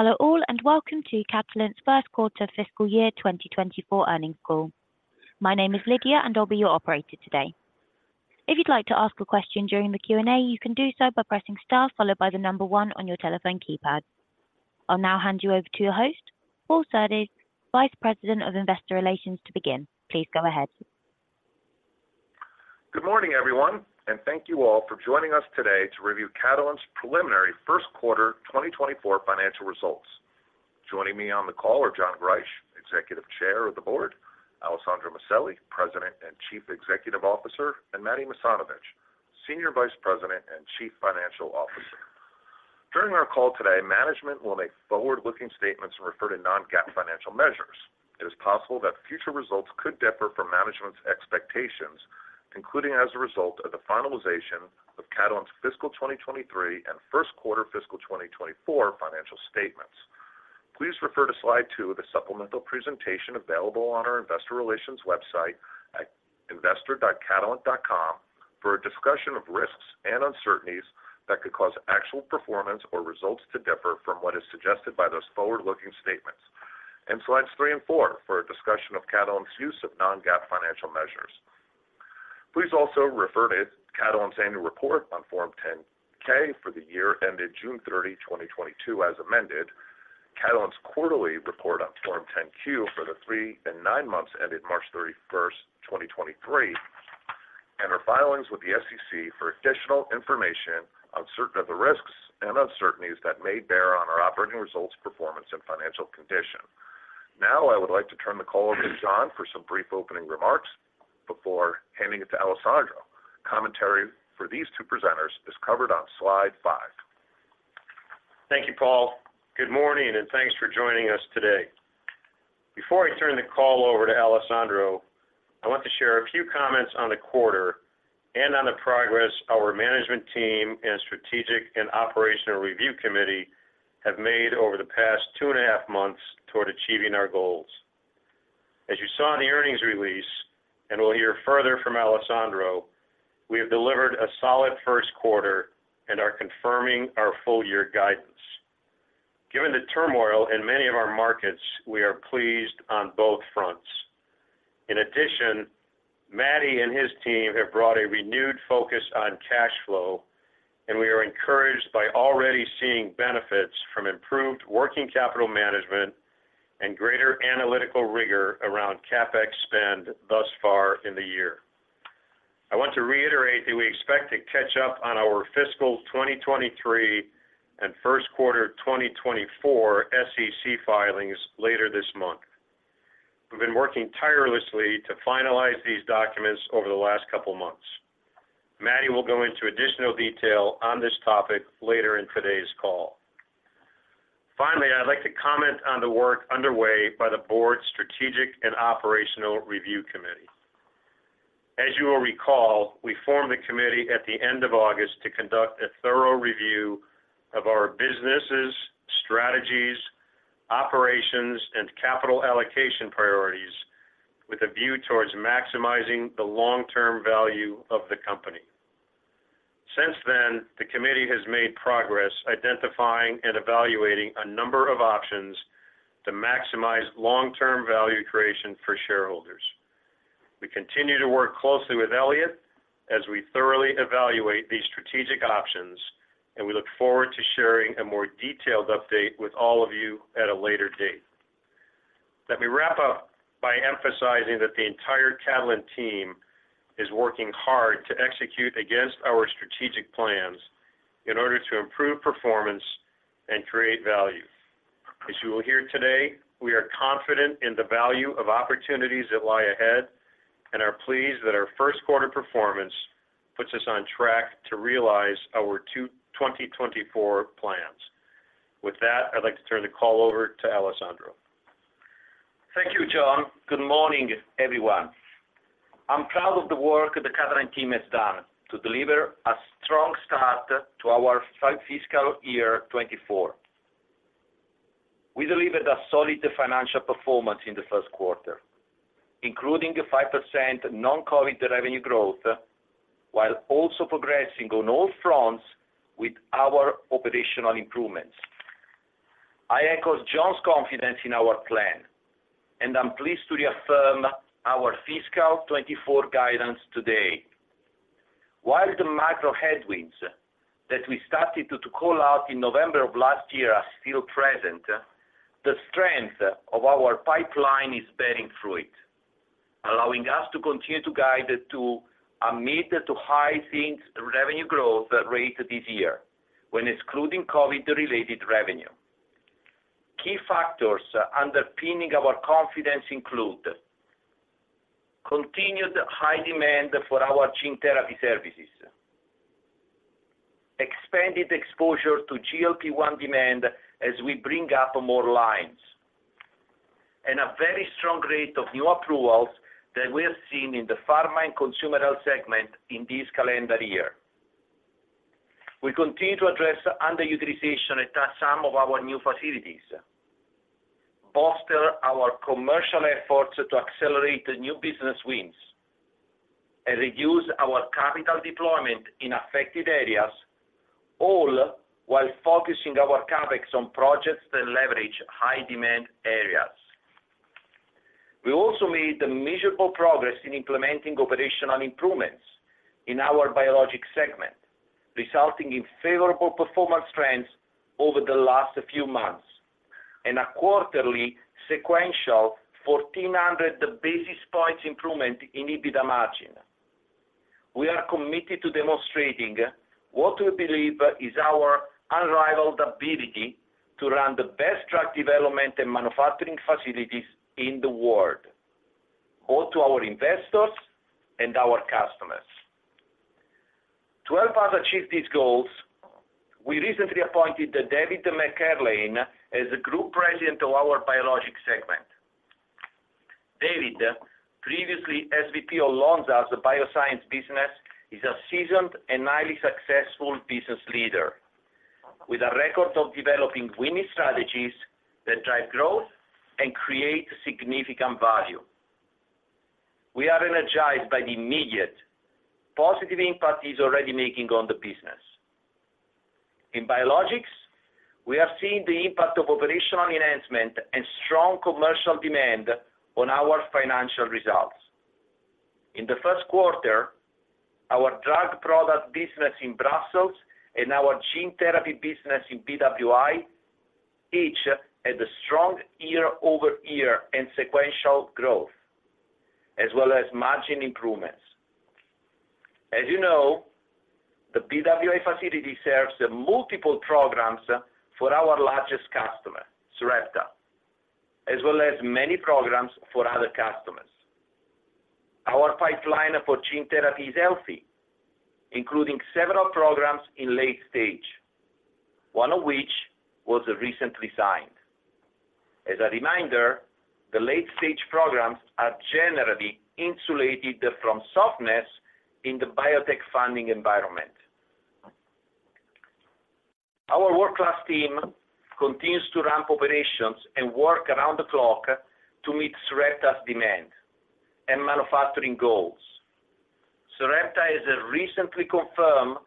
Hello all, and welcome to Catalent's first quarter fiscal year 2024 earnings call. My name is Lydia, and I'll be your operator today. If you'd like to ask a question during the Q&A, you can do so by pressing star followed by the number one on your telephone keypad. I'll now hand you over to your host, Paul Surdez, Vice President of Investor Relations, to begin. Please go ahead. Good morning, everyone, and thank you all for joining us today to review Catalent's preliminary first quarter 2024 financial results. Joining me on the call are John Greisch, Executive Chair of the Board, Alessandro Maselli, President and Chief Executive Officer, and Matti Masanovich, Senior Vice President and Chief Financial Officer. During our call today, management will make forward-looking statements and refer to non-GAAP financial measures. It is possible that future results could differ from management's expectations, including as a result of the finalization of Catalent's fiscal 2023 and first quarter fiscal 2024 financial statements. Please refer to slide two of the supplemental presentation available on our investor relations website at investor.catalent.com for a discussion of risks and uncertainties that could cause actual performance or results to differ from what is suggested by those forward-looking statements. In slides three and four for a discussion of Catalent's use of non-GAAP financial measures. Please also refer to Catalent's annual report on Form 10-K for the year ended June 30, 2022, as amended, Catalent's quarterly report on Form 10-Q for the three and nine months ended March 31, 2023, and our filings with the SEC for additional information on certain of the risks and uncertainties that may bear on our operating results, performance, and financial condition. Now, I would like to turn the call over to John for some brief opening remarks before handing it to Alessandro. Commentary for these two presenters is covered on slide five. Thank you, Paul. Good morning, and thanks for joining us today. Before I turn the call over to Alessandro, I want to share a few comments on the quarter and on the progress our management team and Strategic and Operational Review Committee have made over the past two and a half months toward achieving our goals. As you saw in the earnings release, and we'll hear further from Alessandro, we have delivered a solid first quarter and are confirming our full-year guidance. Given the turmoil in many of our markets, we are pleased on both fronts. In addition, Matti and his team have brought a renewed focus on cash flow, and we are encouraged by already seeing benefits from improved working capital management and greater analytical rigor around CapEx spend thus far in the year. I want to reiterate that we expect to catch up on our fiscal 2023 and first quarter 2024 SEC filings later this month. We've been working tirelessly to finalize these documents over the last couple of months. Matti will go into additional detail on this topic later in today's call. Finally, I'd like to comment on the work underway by the board's Strategic and Operational Review Committee. As you will recall, we formed the committee at the end of August to conduct a thorough review of our businesses, strategies, operations, and capital allocation priorities with a view towards maximizing the long-term value of the company. Since then, the committee has made progress identifying and evaluating a number of options to maximize long-term value creation for shareholders. We continue to work closely with Elliott as we thoroughly evaluate these strategic options, and we look forward to sharing a more detailed update with all of you at a later date. Let me wrap up by emphasizing that the entire Catalent team is working hard to execute against our strategic plans in order to improve performance and create value. As you will hear today, we are confident in the value of opportunities that lie ahead and are pleased that our first quarter performance puts us on track to realize our 2024 plans. With that, I'd like to turn the call over to Alessandro. Thank you John. Good morning everyone. I'm proud of the work the Catalent team has done to deliver a strong start to our fiscal year 2024. We delivered a solid financial performance in the first quarter, including a 5% non-COVID revenue growth, while also progressing on all fronts with our operational improvements. I echo John's confidence in our plan, and I'm pleased to reaffirm our fiscal 2024 guidance today. While the macro headwinds that we started to call out in November of last year are still present, the strength of our pipeline is bearing fruit, allowing us to continue to guide to a mid- to high-single revenue growth rate this year when excluding COVID-related revenue. Key factors underpinning our confidence include continued high demand for our gene therapy services, expanded exposure to GLP-1 demand as we bring up more lines, and a very strong rate of new approvals that we are seeing in the Pharma and Consumer Health segment in this calendar year. We continue to address underutilization at some of our new facilities, bolster our commercial efforts to accelerate the new business wins, and reduce our capital deployment in affected areas, all while focusing our CapEx on projects that leverage high demand areas. We also made a measurable progress in implementing operational improvements in our Biologics segment, resulting in favorable performance trends over the last few months, and a quarterly sequential 1,400 basis points improvement in EBITDA margin. We are committed to demonstrating what we believe is our unrivaled ability to run the best drug development and manufacturing facilities in the world, both to our investors and our customers. To help us achieve these goals, we recently appointed David McErlane as the Group President of our Biologics segment. David, previously SVP of Lonza's Bioscience business, is a seasoned and highly successful business leader, with a record of developing winning strategies that drive growth and create significant value. We are energized by the immediate positive impact he's already making on the business. In Biologics, we have seen the impact of operational enhancement and strong commercial demand on our financial results. In the first quarter, our drug product business in Brussels and our gene therapy business in BWI, each had a strong year-over-year and sequential growth, as well as margin improvements. As you know, the BWI facility serves multiple programs for our largest customer, Sarepta, as well as many programs for other customers. Our pipeline for gene therapy is healthy, including several programs in late stage, one of which was recently signed. As a reminder, the late-stage programs are generally insulated from softness in the biotech funding environment. Our world-class team continues to ramp operations and work around the clock to meet Sarepta's demand and manufacturing goals. Sarepta has recently confirmed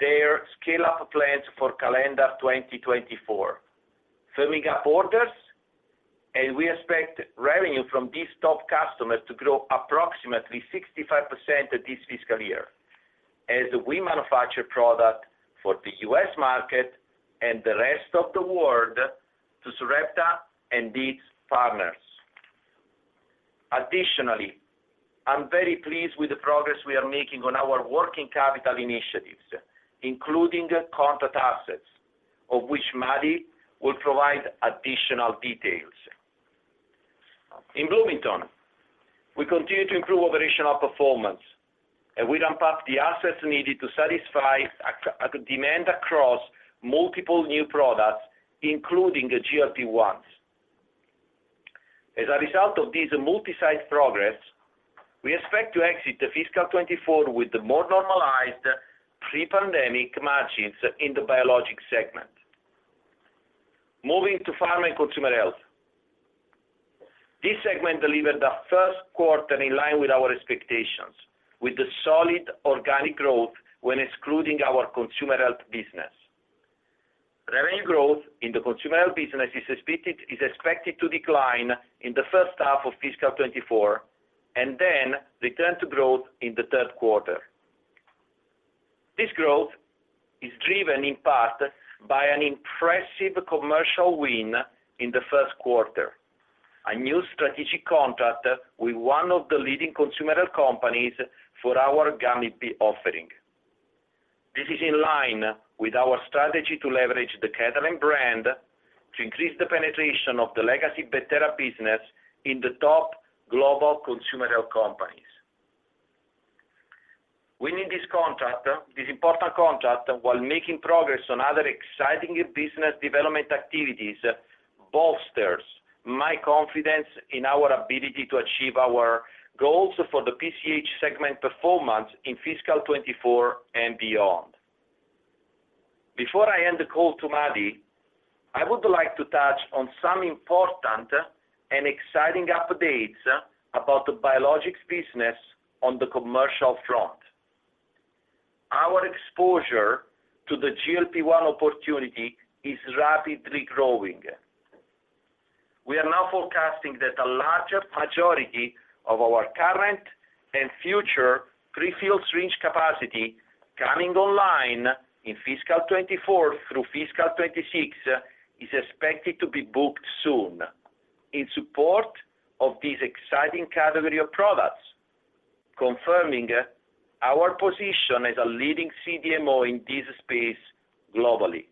their scale-up plans for calendar 2024, firming up orders, and we expect revenue from this top customer to grow approximately 65% this fiscal year, as we manufacture product for the U.S. market and the rest of the world to Sarepta and its partners. Additionally, I'm very pleased with the progress we are making on our working capital initiatives, including contract assets, of which Matti will provide additional details. In Bloomington, we continue to improve operational performance, and we ramp up the assets needed to satisfy a demand across multiple new products, including the GLP-1. As a result of this multi-site progress, we expect to exit the fiscal 2024 with the more normalized pre-pandemic margins in the biologics segment. Moving to Pharma and Consumer Health. This segment delivered the first quarter in line with our expectations, with the solid organic growth when excluding our consumer health business. Revenue growth in the consumer health business is expected to decline in the first half of fiscal 2024, and then return to growth in the third quarter. This growth is driven in part by an impressive commercial win in the first quarter, a new strategic contract with one of the leading consumer health companies for our gummy offering. This is in line with our strategy to leverage the Catalent brand, to increase the penetration of the legacy Bettera business in the top global consumer health companies. Winning this contract, this important contract, while making progress on other exciting business development activities, bolsters my confidence in our ability to achieve our goals for the PCH segment performance in fiscal 2024 and beyond. Before I hand the call to Matti, I would like to touch on some important and exciting updates about the biologics business on the commercial front. Our exposure to the GLP-1 opportunity is rapidly growing. We are now forecasting that a larger majority of our current and future prefill syringe capacity coming online in fiscal 2024 through fiscal 2026, is expected to be booked soon in support of this exciting category of products, confirming our position as a leading CDMO in this space globally.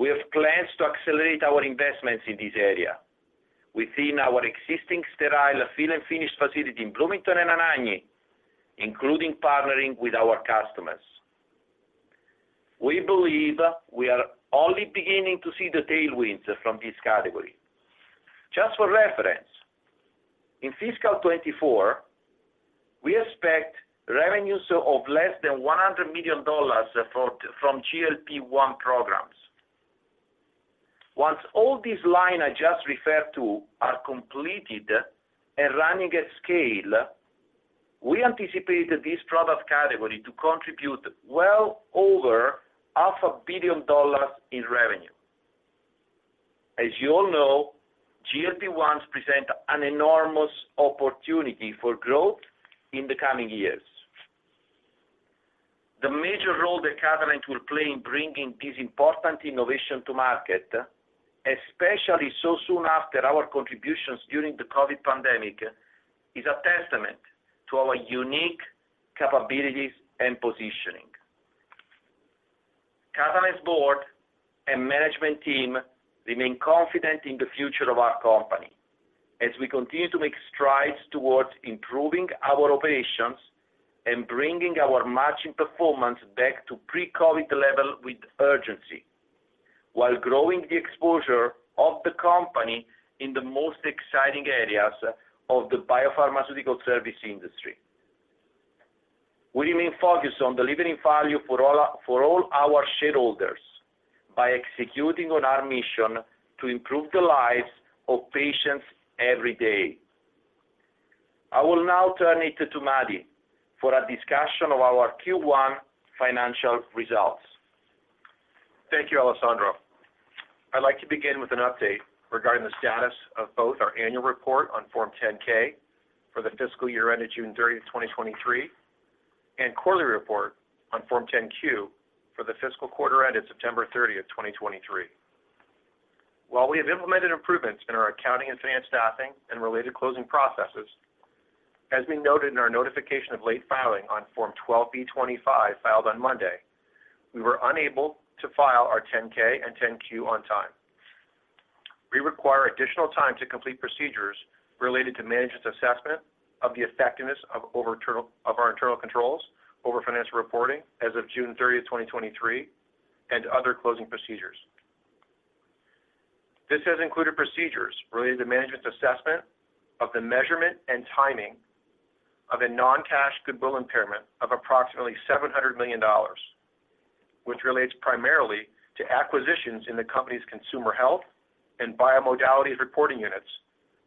We have plans to accelerate our investments in this area within our existing sterile fill and finish facility in Bloomington and Anagni, including partnering with our customers. We believe we are only beginning to see the tailwinds from this category. Just for reference. In fiscal 2024, we expect revenues of less than $100 million for, from GLP-1 programs. Once all these line I just referred to are completed and running at scale, we anticipate this product category to contribute well over $500 million in revenue. As you all know, GLP-1s present an enormous opportunity for growth in the coming years. The major role that Catalent will play in bringing this important innovation to market, especially so soon after our contributions during the COVID pandemic, is a testament to our unique capabilities and positioning. Catalent's board and management team remain confident in the future of our company as we continue to make strides towards improving our operations and bringing our margin performance back to pre-COVID level with urgency, while growing the exposure of the company in the most exciting areas of the biopharmaceutical service industry. We remain focused on delivering value for all our, for all our shareholders by executing on our mission to improve the lives of patients every day. I will now turn it to Matti for a discussion of our Q1 financial results. Thank you Alessandro. I'd like to begin with an update regarding the status of both our annual report on Form 10-K for the fiscal year ended June 30, 2023, and quarterly report on Form 10-Q for the fiscal quarter ended September 30, 2023. While we have implemented improvements in our accounting and finance staffing and related closing processes, as we noted in our notification of late filing on Form 12b-25, filed on Monday, we were unable to file our 10-K and 10-Q on time. We require additional time to complete procedures related to management's assessment of the effectiveness of our internal controls over financial reporting as of June 30, 2023, and other closing procedures. This has included procedures related to management's assessment of the measurement and timing of a non-cash goodwill impairment of approximately $700 million, which relates primarily to acquisitions in the company's consumer health and biologics reporting units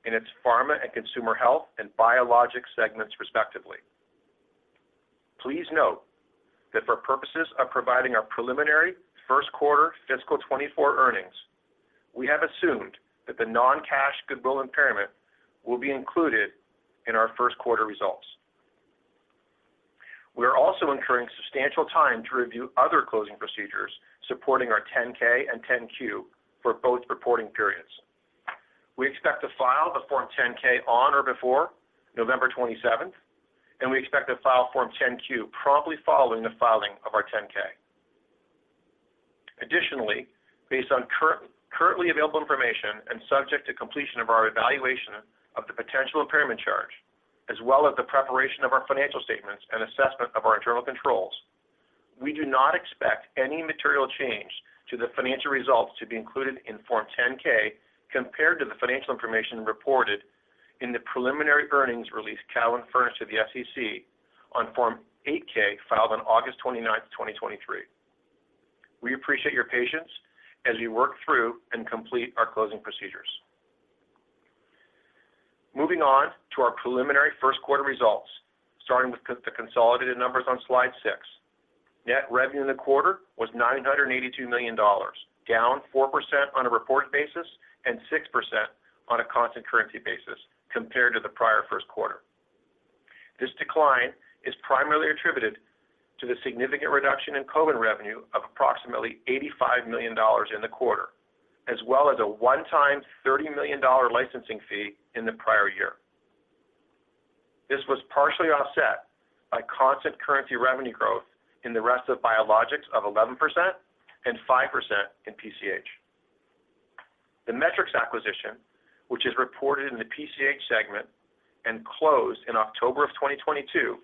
in its Pharma and Consumer Health and Biologics segments, respectively. Please note that for purposes of providing our preliminary first quarter fiscal 2024 earnings, we have assumed that the non-cash goodwill impairment will be included in our first quarter results. We are also incurring substantial time to review other closing procedures supporting our 10-K and 10-Q for both reporting periods. We expect to file the Form 10-K on or before November 27th, and we expect to file Form 10-Q promptly following the filing of our 10-K. Additionally, based on currently available information and subject to completion of our evaluation of the potential impairment charge, as well as the preparation of our financial statements and assessment of our internal controls, we do not expect any material change to the financial results to be included in Form 10-K, compared to the financial information reported in the preliminary earnings release call furnished to the SEC on Form 8-K, filed on August 29, 2023. We appreciate your patience as we work through and complete our closing procedures. Moving on to our preliminary first quarter results, starting with the consolidated numbers on slide six. Net revenue in the quarter was $982 million, down 4% on a reported basis and 6% on a constant currency basis compared to the prior first quarter. This decline is primarily attributed to the significant reduction in COVID revenue of approximately $85 million in the quarter, as well as a one-time $30 million dollar licensing fee in the prior year. This was partially offset by constant currency revenue growth in the rest of Biologics of 11% and 5% in PCH. The Metrics acquisition, which is reported in the PCH segment and closed in October of 2022,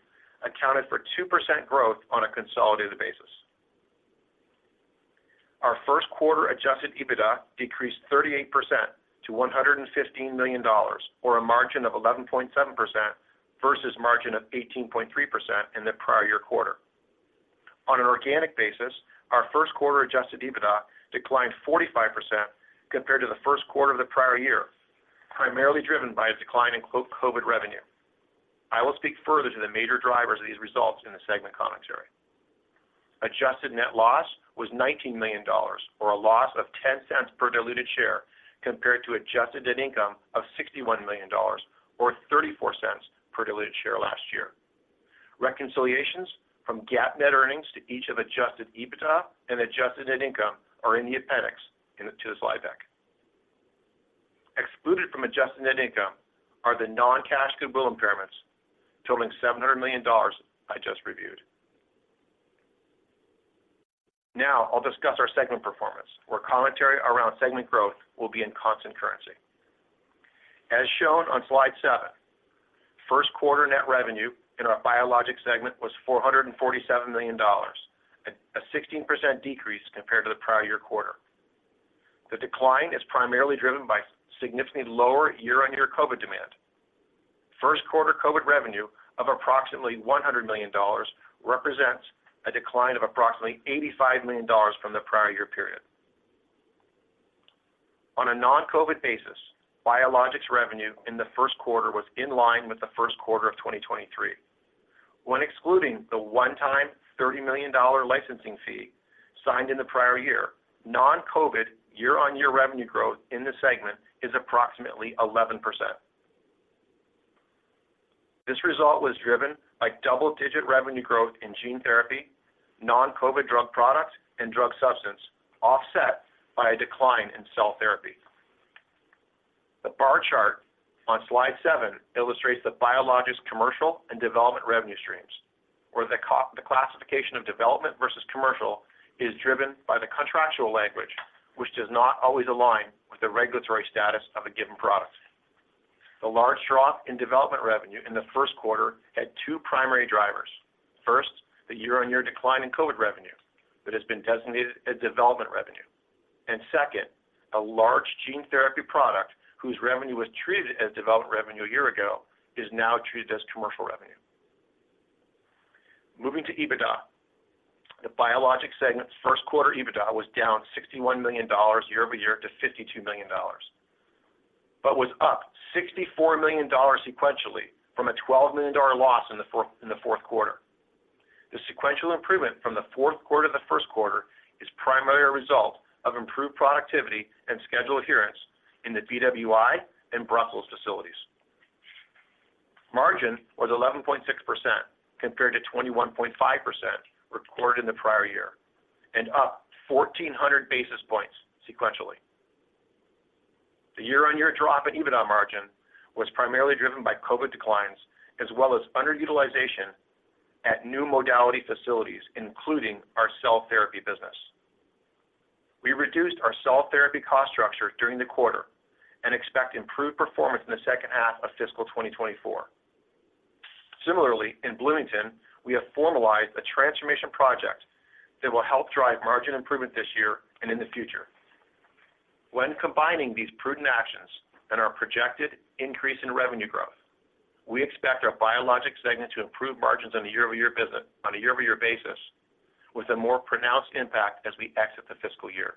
accounted for 2% growth on a consolidated basis. Our first quarter Adjusted EBITDA decreased 38% to $115 million, or a margin of 11.7% versus margin of 18.3% in the prior year quarter. On an organic basis, our first quarter Adjusted EBITDA declined 45% compared to the first quarter of the prior year, primarily driven by a decline in, quote, "COVID revenue." I will speak further to the major drivers of these results in the segment commentary. Adjusted net loss was $19 million, or a loss of $0.10 per diluted share, compared to adjusted net income of $61 million or $0.34 per diluted share last year. Reconciliations from GAAP net earnings to each of Adjusted EBITDA and adjusted net income are in the appendix to the slide deck. Excluded from adjusted net income are the non-cash goodwill impairments totaling $700 million I just reviewed. Now, I'll discuss our segment performance, where commentary around segment growth will be in constant currency. As shown on slide seven, first quarter net revenue in our Biologics segment was $447 million, a 16% decrease compared to the prior year quarter. The decline is primarily driven by significantly lower year-on-year COVID demand. First quarter COVID revenue of approximately $100 million represents a decline of approximately $85 million from the prior year period. On a non-COVID basis, Biologics revenue in the first quarter was in line with the first quarter of 2023. When excluding the one-time $30 million dollar licensing fee signed in the prior year, non-COVID year-on-year revenue growth in this segment is approximately 11%. This result was driven by double-digit revenue growth in Gene Therapy, non-COVID Drug Products, and Drug Substance, offset by a decline in Cell Therapy. The bar chart on slide seven illustrates the Biologics commercial and development revenue streams, where the classification of development versus commercial is driven by the contractual language, which does not always align with the regulatory status of a given product. The large drop in development revenue in the first quarter had two primary drivers. First, the year-on-year decline in COVID revenue, that has been designated as development revenue. And second, a large gene therapy product whose revenue was treated as development revenue a year ago, is now treated as commercial revenue. Moving to EBITDA. The Biologics segment's first quarter EBITDA was down $61 million year-over-year to $52 million, but was up $64 million sequentially from a $12 million loss in the fourth quarter. The sequential improvement from the fourth quarter to the first quarter is primarily a result of improved productivity and schedule adherence in the BWI and Brussels facilities. Margin was 11.6%, compared to 21.5% recorded in the prior year, and up 1,400 basis points sequentially. The year-on-year drop in EBITDA margin was primarily driven by COVID declines, as well as underutilization at new modality facilities, including our cell therapy business. We reduced our cell therapy cost structure during the quarter and expect improved performance in the second half of fiscal 2024. Similarly, in Bloomington, we have formalized a transformation project that will help drive margin improvement this year and in the future. When combining these prudent actions and our projected increase in revenue growth, we expect our Biologics segment to improve margins on a year-over-year basis, on a year-over-year basis, with a more pronounced impact as we exit the fiscal year.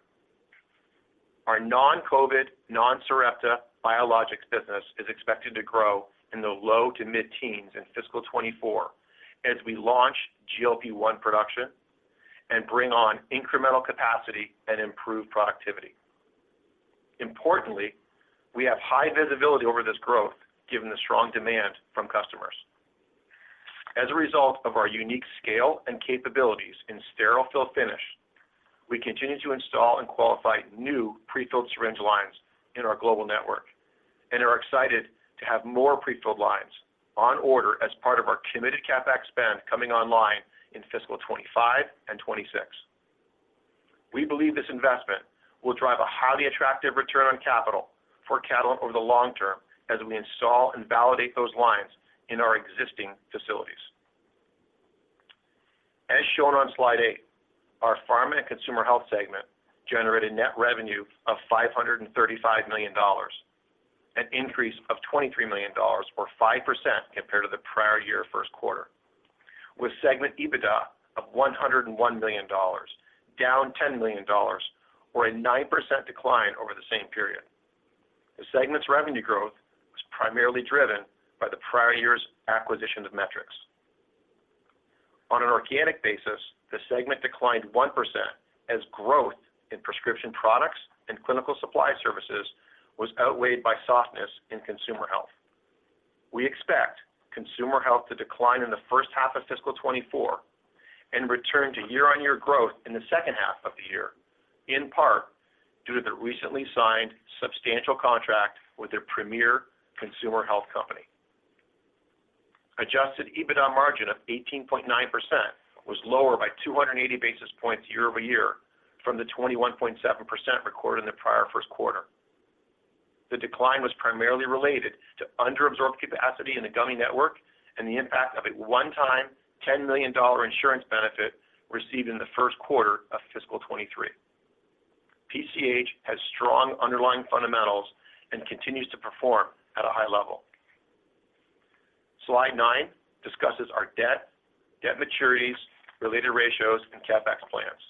Our non-COVID, non-Sarepta Biologics business is expected to grow in the low to mid-teens in fiscal 2024 as we launch GLP-1 production and bring on incremental capacity and improve productivity. Importantly, we have high visibility over this growth, given the strong demand from customers. As a result of our unique scale and capabilities in sterile fill finish, we continue to install and qualify new prefilled syringe lines in our global network and are excited to have more prefilled lines on order as part of our committed CapEx spend coming online in fiscal 2025 and 2026. We believe this investment will drive a highly attractive return on capital for Catalent over the long term as we install and validate those lines in our existing facilities. As shown on slide eight, our Pharma and Consumer Health segment generated net revenue of $535 million, an increase of $23 million or 5% compared to the prior year first quarter, with segment EBITDA of $101 million, down $10 million, or a 9% decline over the same period. The segment's revenue growth was primarily driven by the prior year's acquisition of Metrics. On an organic basis, the segment declined 1% as growth in prescription products and clinical supply services was outweighed by softness in consumer health. We expect consumer health to decline in the first half of fiscal 2024 and return to year-on-year growth in the second half of the year, in part due to the recently signed substantial contract with a premier consumer health company. Adjusted EBITDA margin of 18.9% was lower by 280 basis points year-over-year from the 21.7% recorded in the prior first quarter. The decline was primarily related to under-absorbed capacity in the gummy network and the impact of a one-time $10 million insurance benefit received in the first quarter of fiscal 2023. PCH has strong underlying fundamentals and continues to perform at a high level. Slide nine discusses our debt, debt maturities, related ratios, and CapEx plans.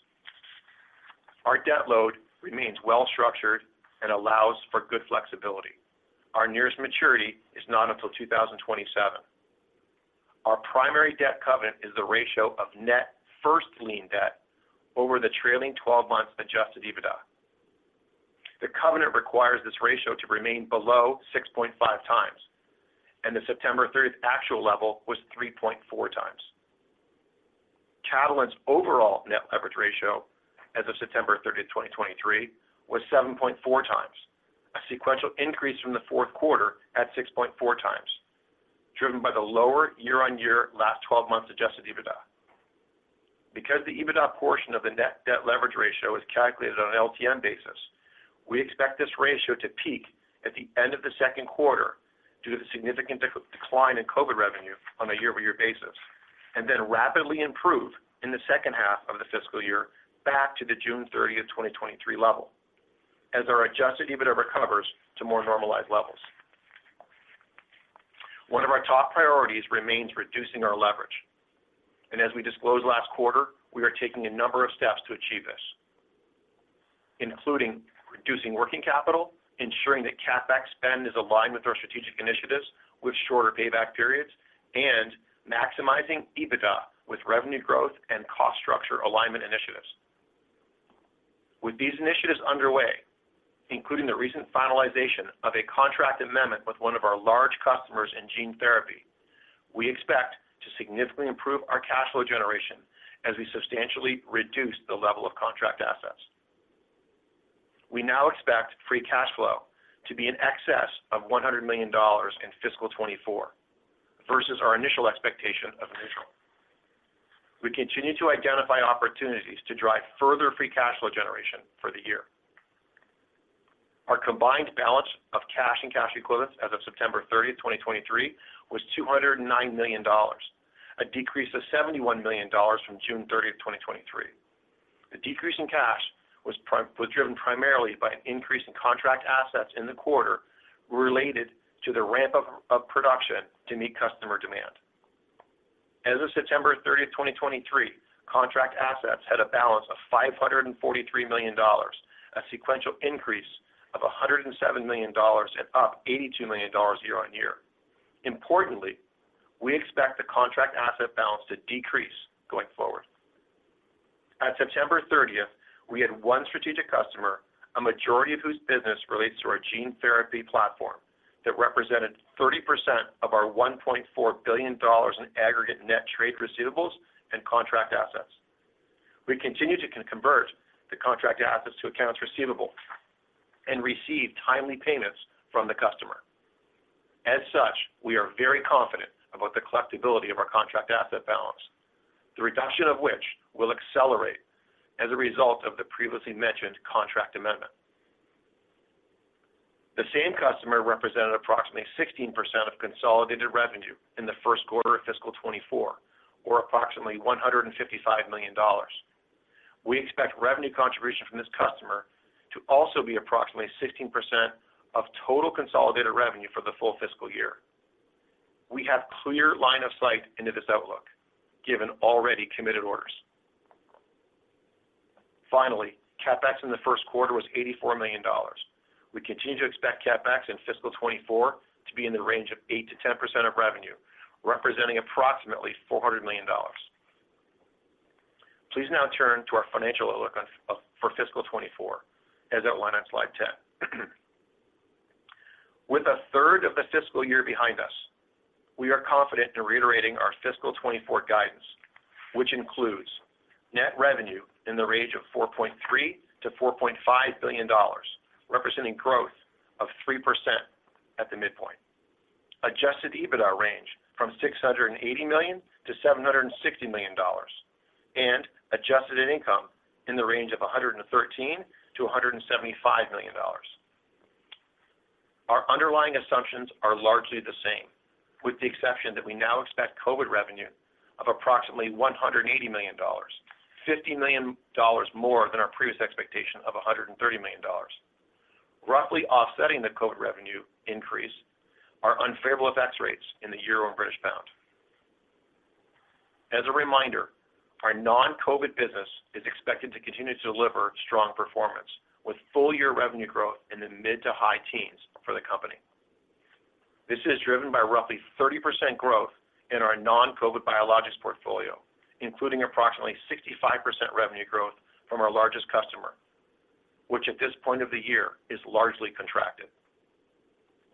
Our debt load remains well structured and allows for good flexibility. Our nearest maturity is not until 2027. Our primary debt covenant is the ratio of net first lien debt over the trailing twelve months adjusted EBITDA. The covenant requires this ratio to remain below 6.5 times, and the September 30th actual level was 3.4 times. Catalent's overall net leverage ratio as of September 30th, 2023, was 7.4 times, a sequential increase from the fourth quarter at 6.4 times, driven by the lower year-on-year last twelve months adjusted EBITDA. Because the EBITDA portion of the net debt leverage ratio is calculated on an LTM basis, we expect this ratio to peak at the end of the second quarter due to the significant decline in COVID revenue on a year-over-year basis, and then rapidly improve in the second half of the fiscal year back to the June 30th, 2023 level, as our adjusted EBITDA recovers to more normalized levels. One of our top priorities remains reducing our leverage, and as we disclosed last quarter, we are taking a number of steps to achieve this, including reducing working capital, ensuring that CapEx spend is aligned with our strategic initiatives with shorter payback periods, and maximizing EBITDA with revenue growth and cost structure alignment initiatives. With these initiatives underway, including the recent finalization of a contract amendment with one of our large customers in gene therapy, we expect to significantly improve our cash flow generation as we substantially reduce the level of contract assets. We now expect free cash flow to be in excess of $100 million in fiscal 2024, versus our initial expectation of initial. We continue to identify opportunities to drive further free cash flow generation for the year. Our combined balance of cash and cash equivalents as of September 30, 2023, was $209 million, a decrease of $71 million from June 30, 2023. The decrease in cash was driven primarily by an increase in contract assets in the quarter related to the ramp up production to meet customer demand. As of September 30, 2023, contract assets had a balance of $543 million, a sequential increase of $107 million, and up $82 million year-on-year. Importantly, we expect the contract asset balance to decrease going forward. At September 30, 2023, we had one strategic customer, a majority of whose business relates to our gene therapy platform, that represented 30% of our $1.4 billion in aggregate net trade receivables and contract assets. We continue to convert the contract assets to accounts receivable and receive timely payments from the customer. As such, we are very confident about the collectibility of our contract asset balance, the reduction of which will accelerate as a result of the previously mentioned contract amendment. The same customer represented approximately 16% of consolidated revenue in the first quarter of fiscal 2024, or approximately $155 million. We expect revenue contribution from this customer to also be approximately 16% of total consolidated revenue for the full fiscal year. We have clear line of sight into this outlook, given already committed orders. Finally, CapEx in the first quarter was $84 million. We continue to expect CapEx in fiscal 2024 to be in the range of 8% - 10% of revenue, representing approximately $400 million. Please now turn to our financial outlook on for fiscal 2024, as outlined on slide 10. With a third of the fiscal year behind us, we are confident in reiterating our fiscal 2024 guidance, which includes net revenue in the range of $4.3 - 4.5 billion, representing growth of 3% at the midpoint. Adjusted EBITDA range from $680 - 760 million, and adjusted net income in the range of $113 - 175 million. Our underlying assumptions are largely the same, with the exception that we now expect COVID revenue of approximately $180 million, $50 million more than our previous expectation of $130 million. Roughly offsetting the COVID revenue increase are unfavorable FX rates in the euro and British pound. As a reminder, our non-COVID business is expected to continue to deliver strong performance, with full-year revenue growth in the mid- to high-teens for the company. This is driven by roughly 30% growth in our non-COVID biologics portfolio, including approximately 65% revenue growth from our largest customer, which at this point of the year is largely contracted.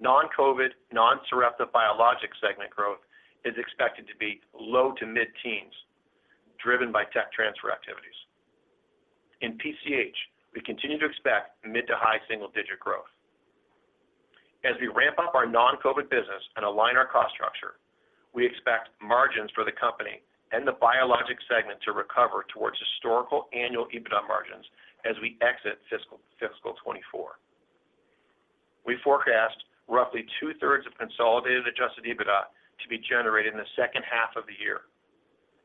Non-COVID, non-Sarepta biologic segment growth is expected to be low to mid-teens, driven by tech transfer activities. In PCH, we continue to expect mid to high-single-digit growth. As we ramp up our non-COVID business and align our cost structure, we expect margins for the company and the biologics segment to recover towards historical annual EBITDA margins as we exit fiscal 2024. We forecast roughly two-thirds of consolidated adjusted EBITDA to be generated in the second half of the year.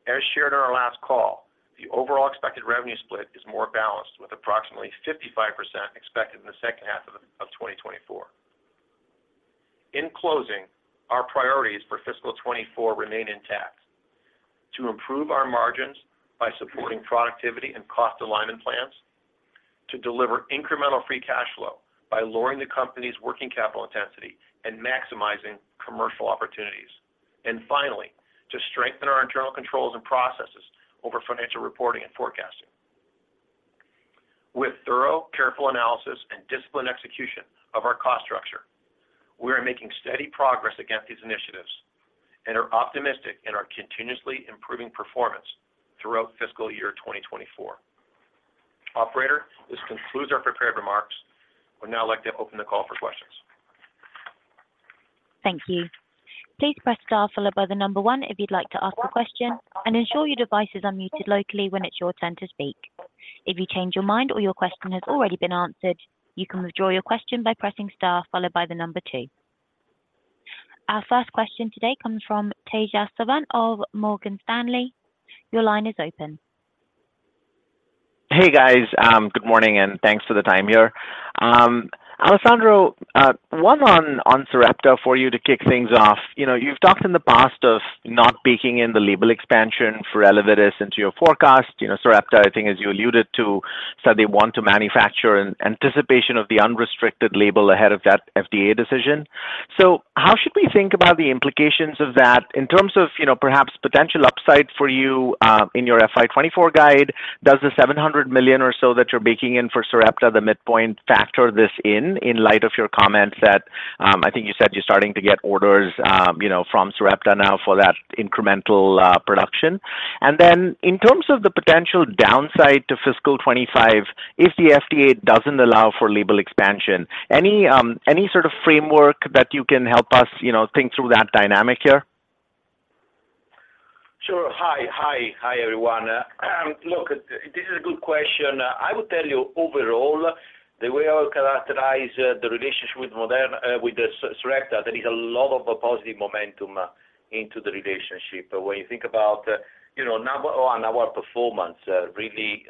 As shared on our last call, the overall expected revenue split is more balanced, with approximately 55% expected in the second half of 2024. In closing, our priorities for fiscal 2024 remain intact: to improve our margins by supporting productivity and cost alignment plans, to deliver incremental free cash flow by lowering the company's working capital intensity and maximizing commercial opportunities, and finally, to strengthen our internal controls and processes over financial reporting and forecasting. With thorough, careful analysis and disciplined execution of our cost structure, we are making steady progress against these initiatives and are optimistic in our continuously improving performance throughout fiscal year 2024. Operator, this concludes our prepared remarks. I would now like to open the call for questions. Thank you. Please press star followed by the number one if you'd like to ask a question, and ensure your devices are muted locally when it's your turn to speak. If you change your mind or your question has already been answered, you can withdraw your question by pressing star followed by the number two. Our first question today comes from Tejas Savant of Morgan Stanley. Your line is open. Hey, guys. Good morning, and thanks for the time here. Alessandro, one on Sarepta for you to kick things off. You know, you've talked in the past of not baking in the label expansion for Elevidys into your forecast. You know, Sarepta, I think, as you alluded to, said they want to manufacture in anticipation of the unrestricted label ahead of that FDA decision. So how should we think about the implications of that in terms of, you know, perhaps potential upside for you, in your FY 2024 guide, does the $700 million or so that you're baking in for Sarepta, the midpoint, factor this in, in light of your comments that, I think you said you're starting to get orders, you know, from Sarepta now for that incremental, production? And then in terms of the potential downside to fiscal 2025, if the FDA doesn't allow for label expansion, any sort of framework that you can help us, you know, think through that dynamic here? Sure. Hi, hi, hi, everyone. Look, this is a good question. I would tell you, overall, the way I would characterize the relationship with the Sarepta, there is a lot of positive momentum into the relationship. When you think about, you know, number one, our performance, really,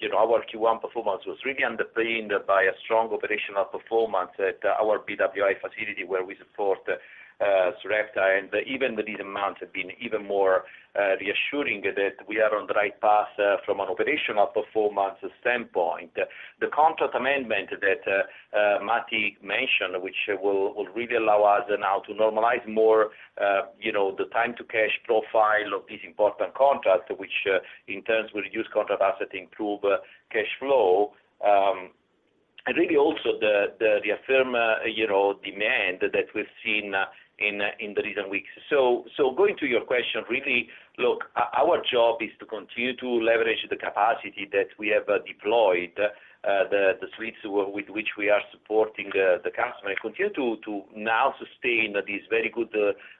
you know, our Q1 performance was really underpinned by a strong operational performance at our BWI facility, where we support Sarepta. And even with these amounts, have been even more reassuring that we are on the right path from an operational performance standpoint. The contract amendment that Matti mentioned, which will really allow us now to normalize more, you know, the time to cash profile of this important contract, which in turn, will reduce contract asset, improve cash flow. And really also the firm, you know, demand that we've seen in the recent weeks. So going to your question, really, look, our job is to continue to leverage the capacity that we have deployed, the suites with which we are supporting the customer, and continue to now sustain this very good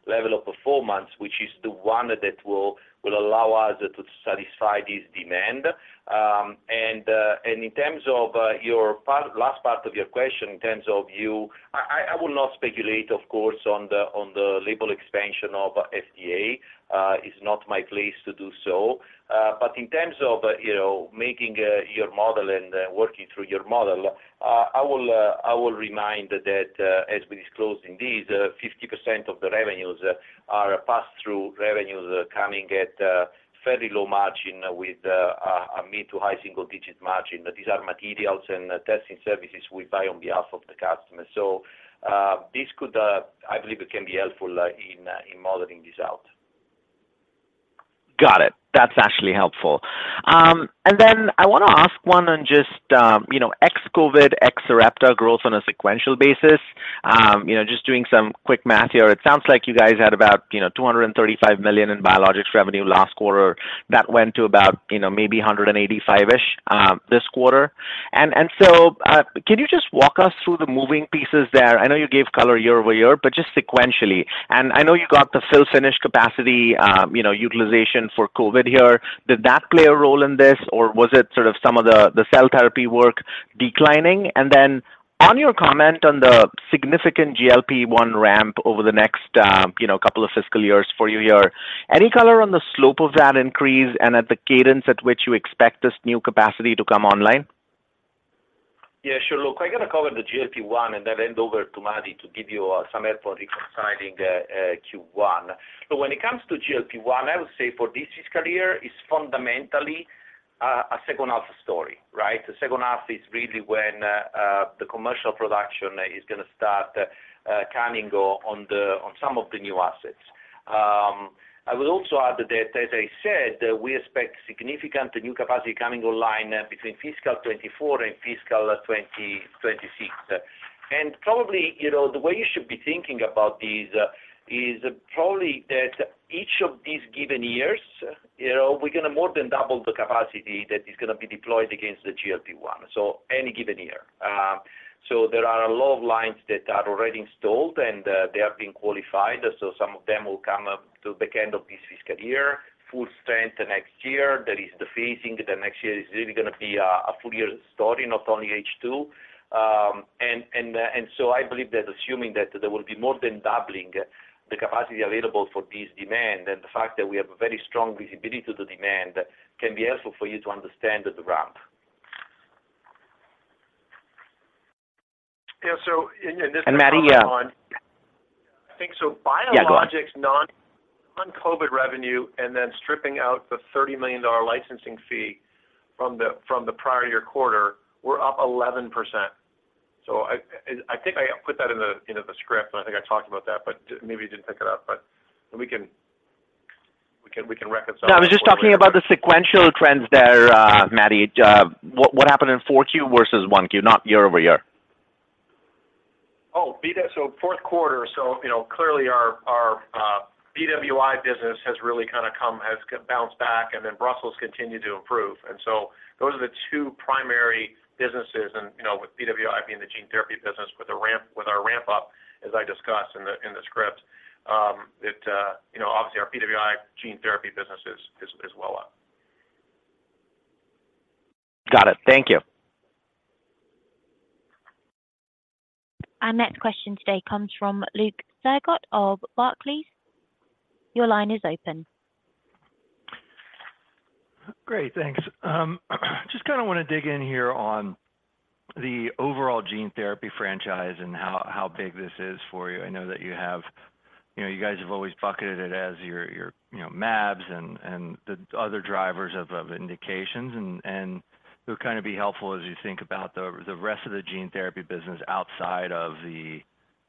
level of performance, which is the one that will allow us to satisfy this demand. And in terms of your last part of your question, in terms of you, I will not speculate, of course, on the label expansion of FDA. It's not my place to do so, but in terms of, you know, making your model and working through your model, I will remind that, as we disclosed indeed, 50% of the revenues are passed through revenues coming at fairly low margin with a mid-to-high single-digit margin. These are materials and testing services we buy on behalf of the customer. So, this could, I believe it can be helpful, in modeling this out. Got it. That's actually helpful. And then I want to ask one on just, you know, ex-COVID, ex-Sarepta growth on a sequential basis. You know, just doing some quick math here, it sounds like you guys had about, you know, $235 million in biologics revenue last quarter. That went to about, you know, maybe 185-ish, this quarter. And so, can you just walk us through the moving pieces there? I know you gave color year-over-year, but just sequentially. And I know you got the fill-finish capacity, you know, utilization for COVID here. Did that play a role in this, or was it sort of some of the, the cell therapy work declining? And then on your comment on the significant GLP-1 ramp over the next, you know, couple of fiscal years for you here, any color on the slope of that increase and at the cadence at which you expect this new capacity to come online? Yeah, sure. Look, I'm gonna cover the GLP-1 and then hand over to Matti to give you some help for reconciling Q1. So when it comes to GLP-1, I would say for this fiscal year, it's fundamentally a second half story, right? The second half is really when the commercial production is gonna start coming on some of the new assets. I will also add that, as I said, we expect significant new capacity coming online between fiscal 2024 and fiscal 2026. And probably, you know, the way you should be thinking about this is probably that each of these given years, you know, we're gonna more than double the capacity that is gonna be deployed against the GLP-1, so any given year. So there are a lot of lines that are already installed, and they have been qualified, so some of them will come up to the end of this fiscal year, full strength next year. There is the phasing, then next year is really gonna be a full year story, not only H2. And so I believe that assuming that there will be more than doubling the capacity available for this demand and the fact that we have a very strong visibility to the demand, can be helpful for you to understand the ramp. Yeah, so, and this. Matti, yeah. I think so. Yeah, go ahead. Biologics non-COVID revenue, and then stripping out the $30 million licensing fee from the prior year quarter, we're up 11%. So I think I put that in the script, and I think I talked about that, but maybe you didn't pick it up. But we can reconcile. No, I was just talking about the sequential trends there, Matti. What happened in Q4 versus Q1, not year-over-year. Oh, so fourth quarter. So, you know, clearly our BWI business has really kinda come back, and then Brussels continued to improve. And so those are the two primary businesses, and, you know, with BWI being the gene therapy business with our ramp-up, as I discussed in the script. It, you know, obviously our BWI gene therapy business is well up. Got it. Thank you. Our next question today comes from Luke Sergott of Barclays. Your line is open. Great, thanks. Just kind of want to dig in here on the overall gene therapy franchise and how big this is for you. I know that you have, you know, you guys have always bucketed it as your, you know, mAbs and the other drivers of indications. And it would kind of be helpful as you think about the rest of the gene therapy business outside of the,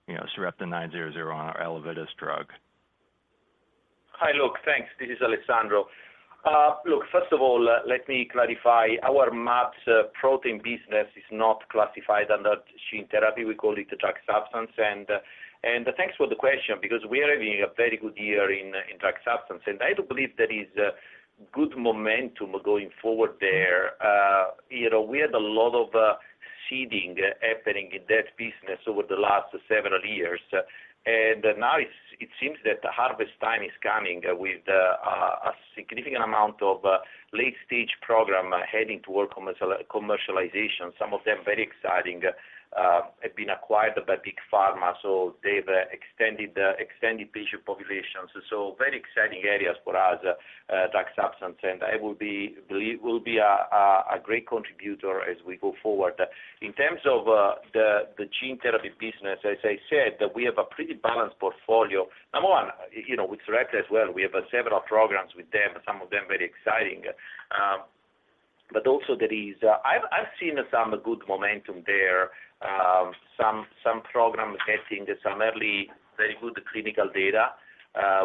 you know, Sarepta 900 or Elevidys drug. Hi, Luke. Thanks. This is Alessandro. Look, first of all, let me clarify, our mAbs protein business is not classified under gene therapy. We call it the drug substance. And thanks for the question, because we are having a very good year in drug substance, and I do believe there is a good momentum going forward there. You know, we had a lot of seeding happening in that business over the last several years. And now it seems that the harvest time is coming with a significant amount of late-stage program heading toward commercialization. Some of them very exciting have been acquired by big pharma, so they've extended patient populations. So very exciting areas for us, drug substance, and I believe will be a great contributor as we go forward. In terms of the gene therapy business, as I said, we have a pretty balanced portfolio. Number one, you know, with Sarepta as well, we have several programs with them, some of them very exciting. But also there is, I've seen some good momentum there, some programs getting some early, very good clinical data,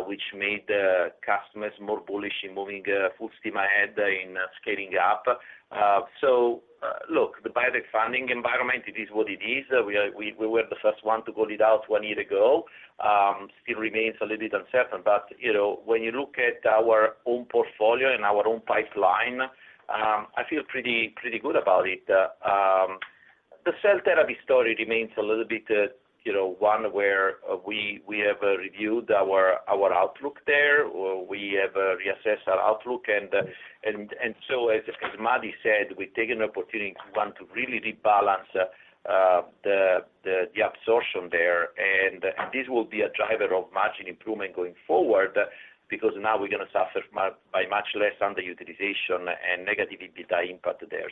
which made the customers more bullish in moving full steam ahead in scaling up. So, look, the biotech funding environment, it is what it is. We are, we were the first one to call it out one year ago. Still remains a little bit uncertain, but, you know, when you look at our own portfolio and our own pipeline, I feel pretty good about it. The Cell Therapy story remains a little bit, you know, one where we have reviewed our outlook there, or we have reassessed our outlook. As Matti said, we've taken an opportunity. We want to really rebalance the absorption there, and this will be a driver of margin improvement going forward, because now we're going to suffer by much less underutilization and negative EBITDA impact there.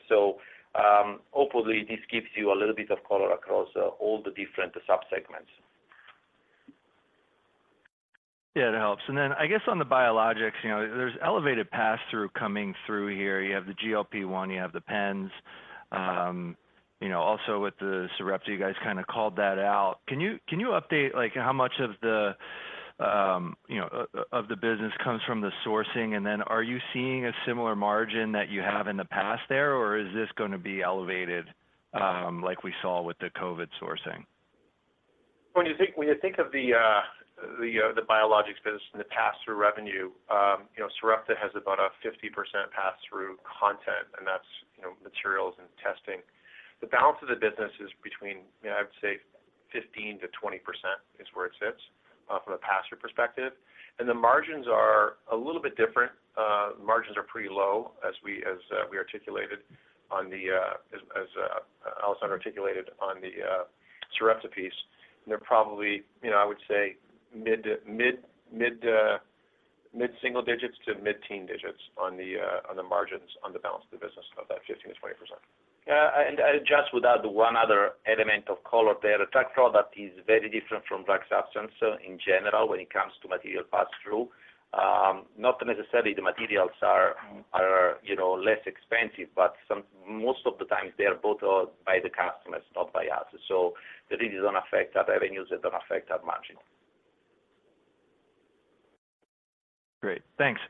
Hopefully, this gives you a little bit of color across all the different subsegments. Yeah, it helps. And then I guess on the biologics, you know, there's elevated passthrough coming through here. You have the GLP-1, you have the pens. You know, also with the Sarepta, you guys kind of called that out. Can you, can you update, like, how much of the, you know, of the business comes from the sourcing? And then are you seeing a similar margin that you have in the past there, or is this going to be elevated, like we saw with the COVID sourcing? When you think of the biologics business and the pass-through revenue, you know, Sarepta has about a 50% pass-through content, and that's, you know, materials and testing. The balance of the business is between, you know, I would say 15% - 20% is where it sits from a pass-through perspective. And the margins are a little bit different. Margins are pretty low, as we articulated on the, as Alessandro articulated on the Sarepta piece. They're probably, you know, I would say mid single digits to mid-teen digits on the margins, on the balance of the business of that 15% - 20%. Yeah, and just with that, one other element of color there. A drug product is very different from drug substance in general when it comes to material pass-through. Not necessarily the materials are, you know, less expensive, but most of the times they are bought out by the customers, not by us. So that it doesn't affect our revenues, it don't affect our margin. Great, thanks.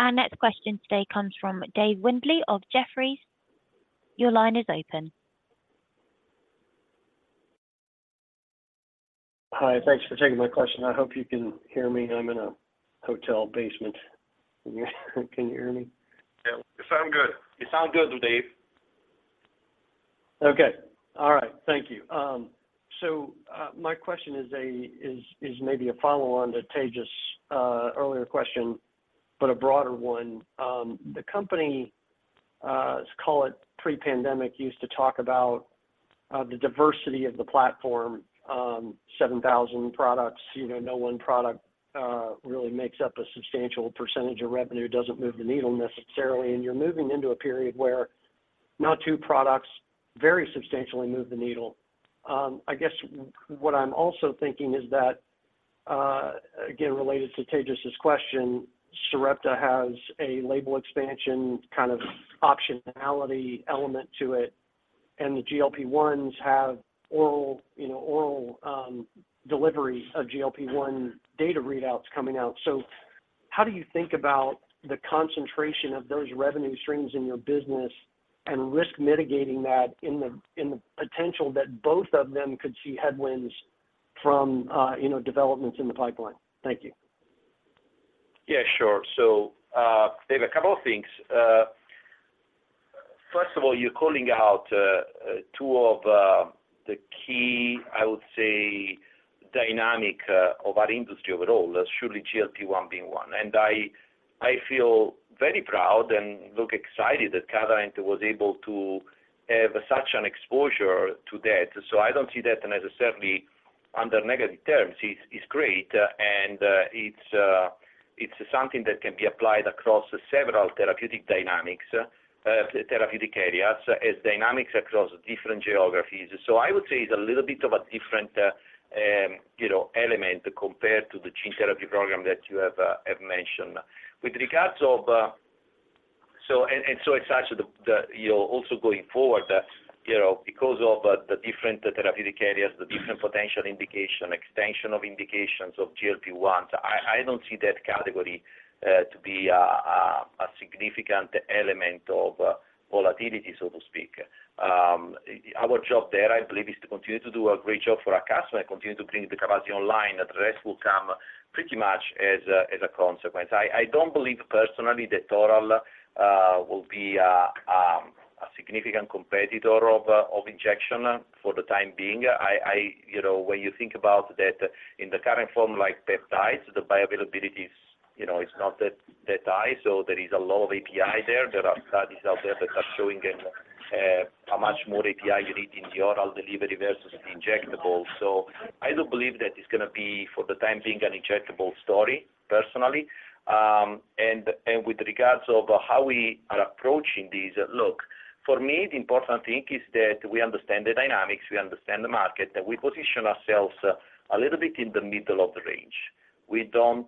Our next question today comes from Dave Windley of Jefferies. Your line is open. Hi, thanks for taking my question. I hope you can hear me. I'm in a hotel basement. Can you hear me? Yeah, you sound good. You sound good, Dave. Okay. All right, thank you. So, my question is maybe a follow-on to Tejas' earlier question, but a broader one. The company, let's call it pre-pandemic, used to talk about the diversity of the platform, 7,000 products. You know, no one product really makes up a substantial percentage of revenue, doesn't move the needle necessarily, and you're moving into a period where now two products very substantially move the needle. I guess what I'm also thinking is that, again, related to Tejas's question, Sarepta has a label expansion kind of optionality element to it, and the GLP-1s have oral, you know, oral, delivery of GLP-1 data readouts coming out. So how do you think about the concentration of those revenue streams in your business and risk mitigating that in the potential that both of them could see headwinds from, you know, developments in the pipeline? Thank you. Yeah, sure. So, Dave, a couple of things, first of all, you're calling out two of the key, I would say, dynamic of our industry overall, as surely GLP-1 being one. And I, I feel very proud and look excited that Catalent was able to have such an exposure to that. So I don't see that necessarily under negative terms. It's, it's great, and, it's something that can be applied across several therapeutic dynamics, therapeutic areas, as dynamics across different geographies. So I would say it's a little bit of a different, you know, element compared to the gene therapy program that you have, have mentioned. It's actually, you know, also going forward, you know, because of the different therapeutic areas, the different potential indication, extension of indications of GLP-1, I don't see that category to be a significant element of volatility, so to speak. Our job there, I believe, is to continue to do a great job for our customer and continue to bring the capacity online, the rest will come pretty much as a consequence. I don't believe personally that oral will be a significant competitor of injection for the time being. You know, when you think about that in the current form, like peptide, the bioavailability is, you know, it's not that high, so there is a lot of API there. There are studies out there that are showing how much more API you need in the oral delivery versus injectable. So I do believe that it's gonna be, for the time being, an injectable story, personally. And with regards to how we are approaching this, look, for me, the important thing is that we understand the dynamics, we understand the market, that we position ourselves a little bit in the middle of the range. We don't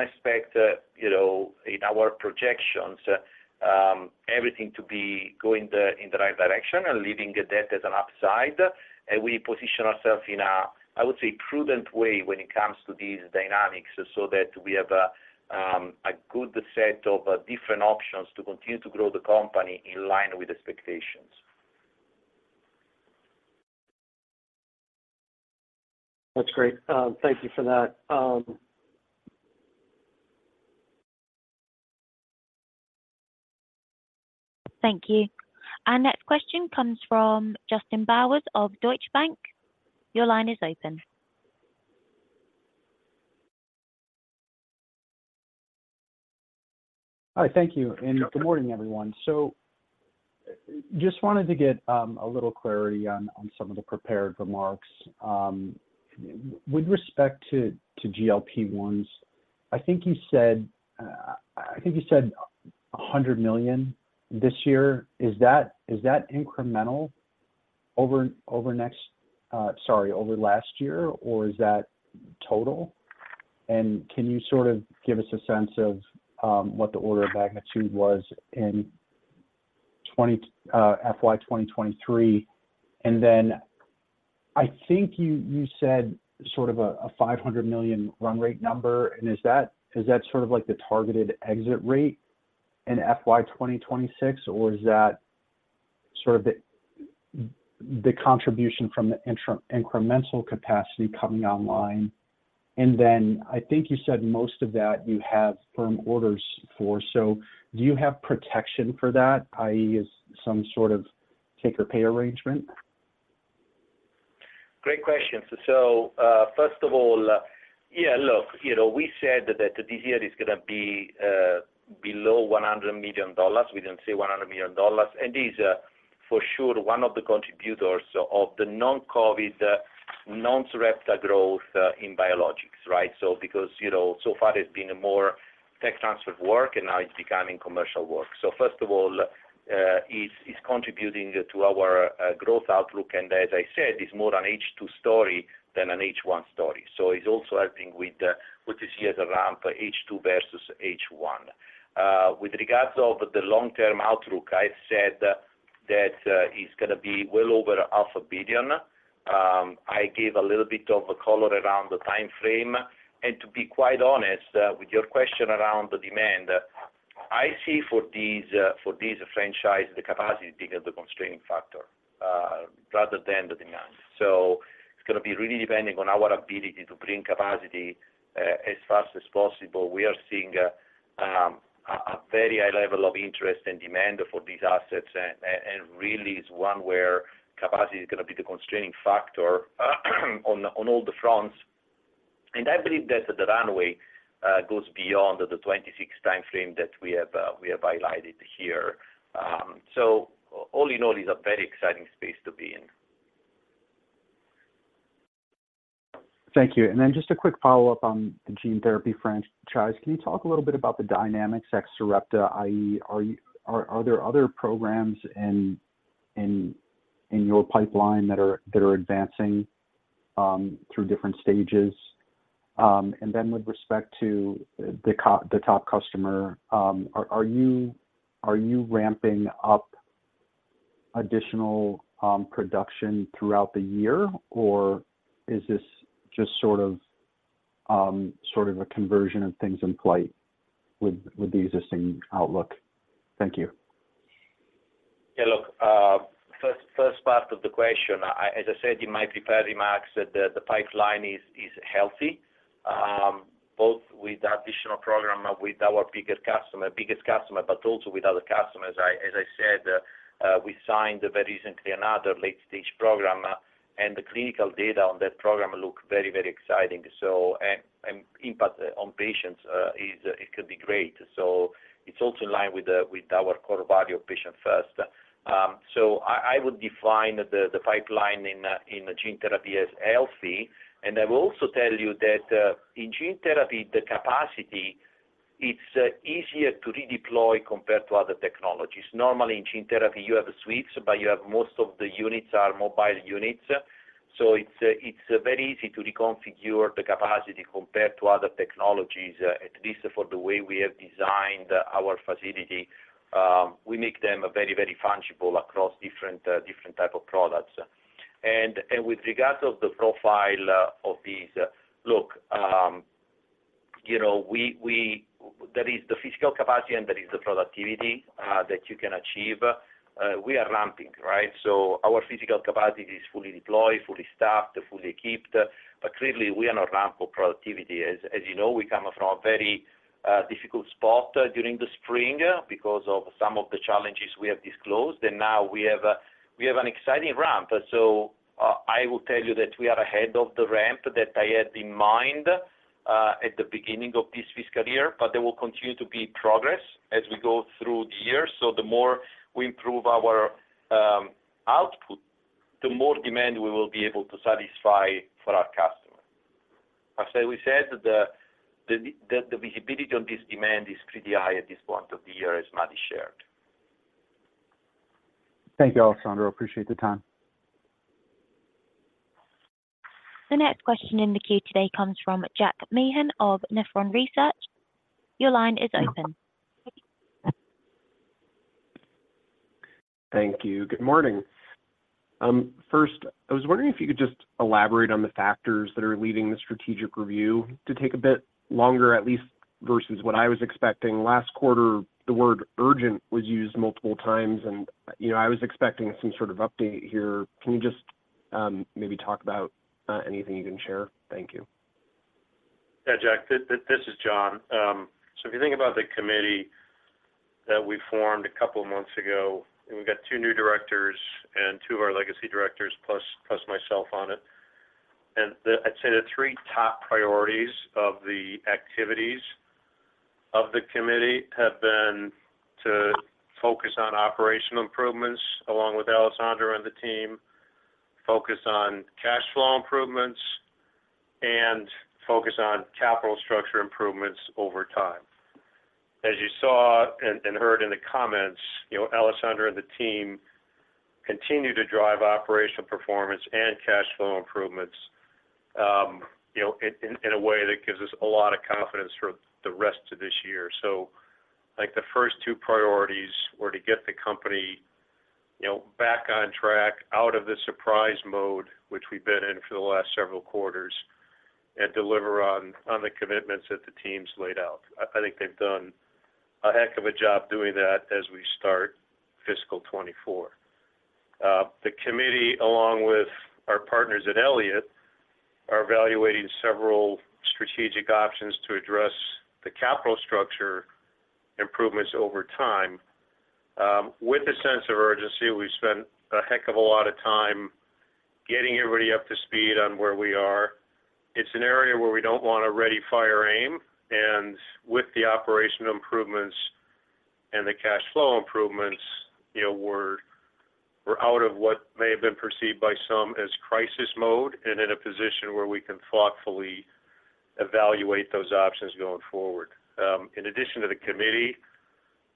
expect, you know, in our projections, everything to be going in the right direction and leaving that as an upside. And we position ourselves in a, I would say, prudent way when it comes to these dynamics, so that we have a good set of different options to continue to grow the company in line with expectations. That's great. Thank you for that. Thank you. Our next question comes from Justin Bowers of Deutsche Bank. Your line is open. Hi, thank you, and good morning, everyone. So just wanted to get a little clarity on some of the prepared remarks. With respect to GLP-1s, I think you said I think you said $100 million this year. Is that incremental over next sorry over last year, or is that total? And can you sort of give us a sense of what the order of magnitude was in FY 2023? And then I think you you said sort of a a $500 million run rate number, and is that sort of like the targeted exit rate in FY 2026, or is that sort of the the contribution from the incremental capacity coming online? And then I think you said most of that you have firm orders for, so do you have protection for that, i.e., is some sort of take or pay arrangement? Great question. So, first of all, yeah, look, you know, we said that this year is gonna be below $100 million. We didn't say $100 million, for sure one of the contributors of the non-COVID non-Sarepta growth in biologics, right? So because, you know, so far it's been a more tech transfer work, and now it's becoming commercial work. So first of all, it's contributing to our growth outlook, and as I said, it's more an H2 story than an H1 story. So it's also helping with this year's ramp, H2 versus H1. With regards of the long-term outlook, I've said that it's gonna be well over $500 million. I gave a little bit of a color around the time frame, and to be quite honest, with your question around the demand, I see for this franchise, the capacity being the constraining factor, rather than the demand. So it's gonna be really depending on our ability to bring capacity, as fast as possible. We are seeing a very high level of interest and demand for these assets, and really is one where capacity is gonna be the constraining factor on all the fronts. And I believe that the runway goes beyond the 2026 time frame that we have highlighted here. So all in all, it's a very exciting space to be in. Thank you. Then just a quick follow-up on the gene therapy franchise. Can you talk a little bit about the dynamics ex Sarepta, i.e., are there other programs in your pipeline that are advancing through different stages? And then with respect to the top customer, are you ramping up additional production throughout the year, or is this just sort of a conversion of things in flight with the existing outlook? Thank you. Yeah, look, first part of the question. I, as I said in my prepared remarks, that the, the pipeline is, is healthy, both with the additional program with our biggest customer, biggest customer, but also with other customers. As I said, we signed very recently another late-stage program, and the clinical data on that program look very, very exciting. So, and impact on patients, is, it could be great. So it's also in line with the, with our core value of patient first. So I, I would define the, the pipeline in, in gene therapy as healthy. And I will also tell you that, in gene therapy, the capacity, it's, easier to redeploy compared to other technologies. Normally, in gene therapy, you have suites, but you have most of the units are mobile units. So it's, it's very easy to reconfigure the capacity compared to other technologies, at least for the way we have designed our facility. We make them very, very fungible across different, different type of products. And, and with regards of the profile, of these, look, you know, we, there is the physical capacity and there is the productivity, that you can achieve. We are ramping, right? So our physical capacity is fully deployed, fully staffed, fully equipped, but clearly, we are on a ramp for productivity. As, as you know, we come from a very, difficult spot during the spring because of some of the challenges we have disclosed, and now we have a, we have an exciting ramp. So, I will tell you that we are ahead of the ramp that I had in mind at the beginning of this fiscal year, but there will continue to be progress as we go through the year. So the more we improve our output, the more demand we will be able to satisfy for our customers. As we said, the visibility on this demand is pretty high at this point of the year, as Matti shared. Thank you, Alessandro. I appreciate the time. The next question in the queue today comes from Jack Meehan of Nephron Research. Your line is open. Thank you. Good morning. First, I was wondering if you could just elaborate on the factors that are leading the strategic review to take a bit longer, at least versus what I was expecting. Last quarter, the word urgent was used multiple times, and, you know, I was expecting some sort of update here. Can you just, maybe talk about, anything you can share? Thank you. Yeah, Jack, this is John. So if you think about the committee that we formed a couple of months ago, and we've got two new directors and two of our legacy directors, plus, plus myself on it. And I'd say the three top priorities of the activities of the committee have been to focus on operational improvements, along with Alessandro and the team, focus on cash flow improvements, and focus on capital structure improvements over time. As you saw and heard in the comments, you know, Alessandro and the team continue to drive operational performance and cash flow improvements, you know, in a way that gives us a lot of confidence for the rest of this year. So, like, the first two priorities were to get the company, you know, back on track out of the surprise mode, which we've been in for the last several quarters, and deliver on the commitments that the teams laid out. I think they've done a heck of a job doing that as we start fiscal 2024. The committee, along with our partners at Elliott, are evaluating several strategic options to address the capital structure improvements over time. With a sense of urgency, we've spent a heck of a lot of time getting everybody up to speed on where we are. It's an area where we don't want to ready, fire, aim, and with the operational improvements and the cash flow improvements, you know, we're out of what may have been perceived by some as crisis mode and in a position where we can thoughtfully evaluate those options going forward. In addition to the committee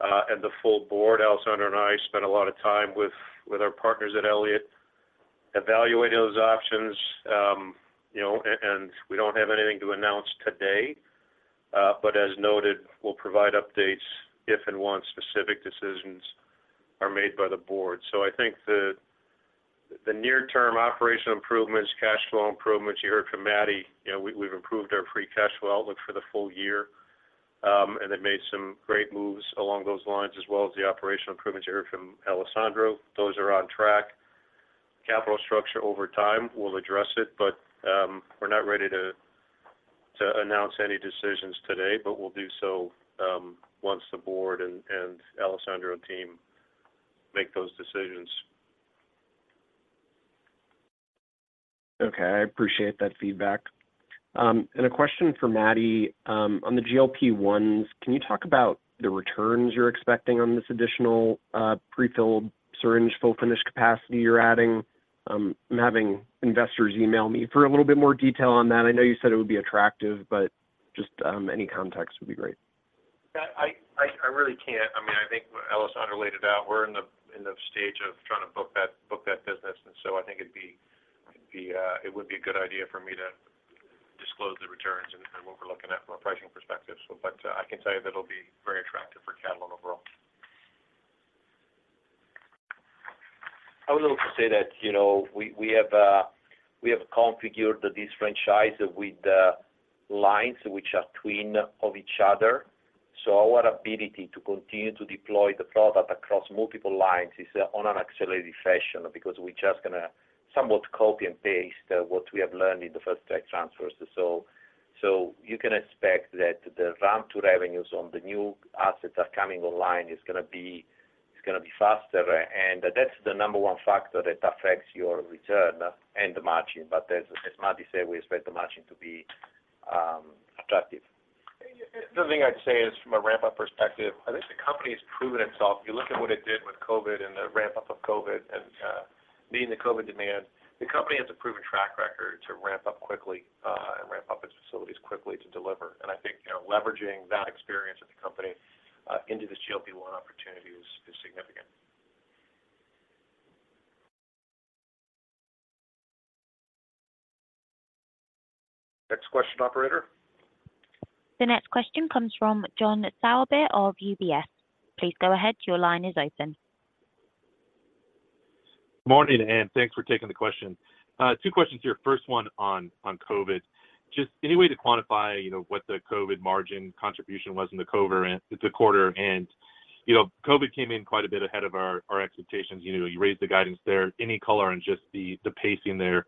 and the full board, Alessandro and I spent a lot of time with our partners at Elliott evaluating those options. You know, and we don't have anything to announce today, but as noted, we'll provide updates if and when specific decisions are made by the board. So I think the near term operational improvements, cash flow improvements, you heard from Matti, you know, we've improved our free cash flow outlook for the full year, and then made some great moves along those lines, as well as the operational improvements you heard from Alessandro. Those are on track. Capital structure over time, we'll address it, but we're not ready to announce any decisions today, but we'll do so once the board and Alessandro and team make those decisions. Okay. I appreciate that feedback. A question for Matti. On the GLP-1, can you talk about the returns you're expecting on this additional prefilled syringe fill finish capacity you're adding? I'm having investors email me for a little bit more detail on that. I know you said it would be attractive, but just any context would be great. Yeah, I really can't. I mean, I think Alessandro laid it out. We're in the stage of trying to book that business, and so I think it would be a good idea for me to disclose the returns and what we're looking at from a pricing perspective. But I can tell you that it'll be very attractive for Catalent overall. I would also say that, you know, we have configured this franchise with lines which are twin of each other. So our ability to continue to deploy the product across multiple lines is on an accelerated fashion because we're just gonna somewhat copy and paste what we have learned in the first tech transfers. So you can expect that the ramp to revenues on the new assets that are coming online is gonna be faster, and that's the number one factor that affects your return and the margin. But as Matti said, we expect the margin to be attractive. The thing I'd say is from a ramp-up perspective, I think the company has proven itself. If you look at what it did with COVID and the ramp-up of COVID and meeting the COVID demand, the company has a proven track record to ramp up quickly and ramp up its facilities quickly to deliver. And I think, you know, leveraging that experience of the company into this GLP-1 opportunity is significant. Next question, operator. The next question comes from John Sourbeer of UBS. Please go ahead. Your line is open. Morning, and thanks for taking the question. Two questions here. First one on COVID. Just any way to quantify, you know, what the COVID margin contribution was in the current quarter? And, you know, COVID came in quite a bit ahead of our expectations. You know, you raised the guidance there. Any color on just the pacing there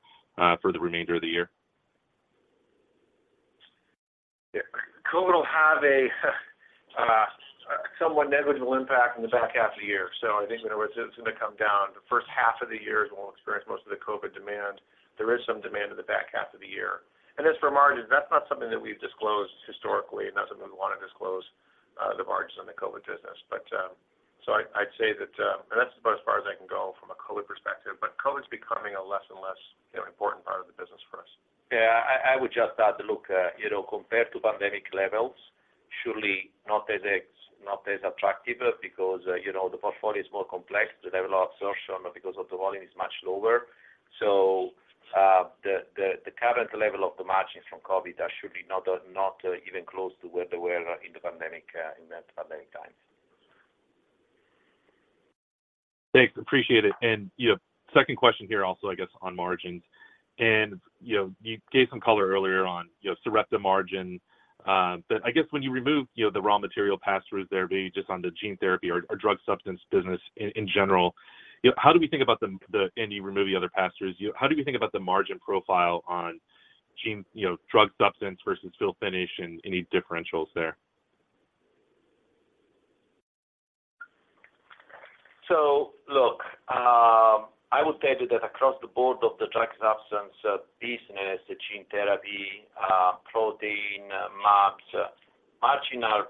for the remainder of the year? Yeah. COVID will have a somewhat negligible impact in the back half of the year. So I think, you know, it's gonna come down. The first half of the year, as we'll experience most of the COVID demand, there is some demand in the back half of the year. And as for margins, that's not something that we've disclosed historically, not something we want to disclose the margins on the COVID business. But so I, I'd say that. And that's about as far as I can go from a COVID perspective, but COVID's becoming a less and less, you know, important part of the business for us. Yeah, I would just add, look, you know, compared to pandemic levels, surely not as attractive because, you know, the portfolio is more complex, the level of absorption because of the volume is much lower. So, the current level of the margins from COVID are surely not even close to where they were in the pandemic, in that pandemic times. Thanks, appreciate it. You know, second question here also, I guess, on margins. You know, you gave some color earlier on, you know, Sarepta margin. But I guess when you remove, you know, the raw material pass-throughs there, being just on the gene therapy or drug substance business in general, you know, and you remove the other pass-throughs, how do you think about the margin profile on gene, you know, drug substance versus fill finish and any differentials there? So, look, I would tell you that across the board of the drug substance business, the gene therapy, protein, mAbs, margins are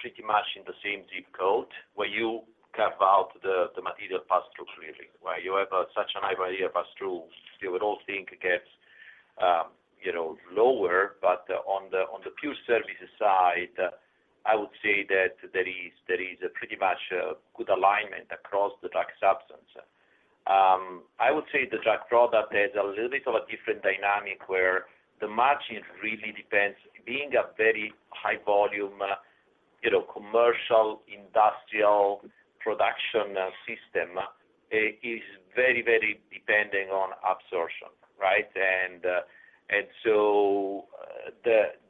pretty much in the same zip code where you carve out the, the material pass-throughs, really, where you have such a high value pass-through, you would all think it gets, you know, lower. But on the, on the pure services side, I would say that there is, there is a pretty much a good alignment across the drug substance. I would say the drug product has a little bit of a different dynamic, where the margin really depends. Being a very high volume, you know, commercial, industrial production system, is very, very depending on absorption, right?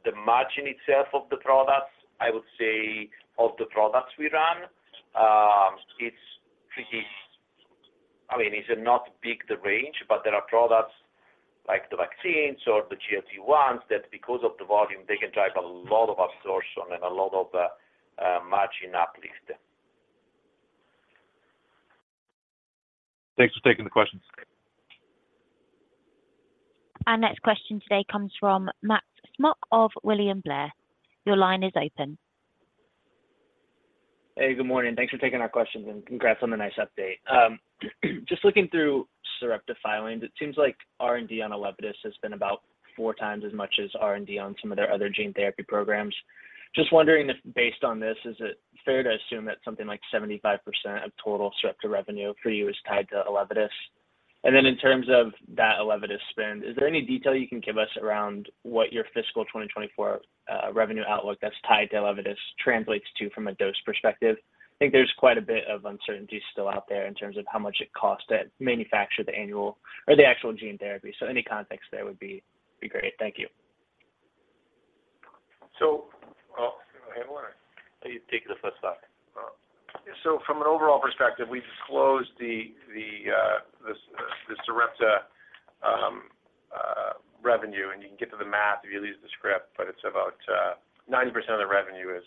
The margin itself of the products, I would say of the products we run, it's pretty, I mean, it's not big, the range, but there are products like the vaccines or the GLP-1s, that because of the volume, they can drive a lot of absorption and a lot of margin uplift. Thanks for taking the questions. Our next question today comes from Max Smock of William Blair. Your line is open. Hey, good morning. Thanks for taking our questions, and congrats on the nice update. Just looking through Sarepta filings, it seems like R&D on Elevidys has been about four times as much as R&D on some of their other gene therapy programs. Just wondering if, based on this, is it fair to assume that something like 75% of total Sarepta revenue for you is tied to Elevidys? And then in terms of that Elevidys spend, is there any detail you can give us around what your fiscal 2024 revenue outlook that's tied to Elevidys translates to from a dose perspective? I think there's quite a bit of uncertainty still out there in terms of how much it costs to manufacture the annual or the actual gene therapy. So any context there would be great. Thank you. So, oh, go ahead, Matti. You take the first off. So from an overall perspective, we disclosed the Sarepta revenue, and you can get to the math if you lose the script, but it's about 90% of the revenue is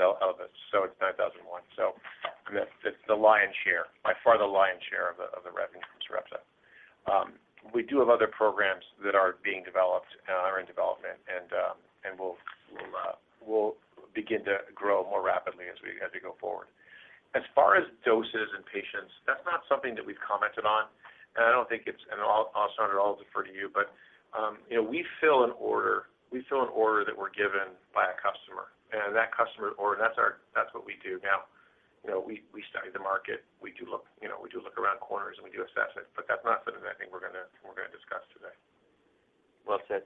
Elevidys, so it's $9,001. So the lion's share, by far the lion's share of the revenue from Sarepta. We do have other programs that are being developed, are in development and will begin to grow more rapidly as we had to go forward. As far as doses and patients, that's not something that we've commented on, and I don't think it's, and I'll defer to you. But, you know, we fill an order, we fill an order that we're given by a customer, and that customer order, that's our, that's what we do now. You know, we study the market, we do look around corners and we do assess it, but that's not something I think we're gonna discuss today. Well said.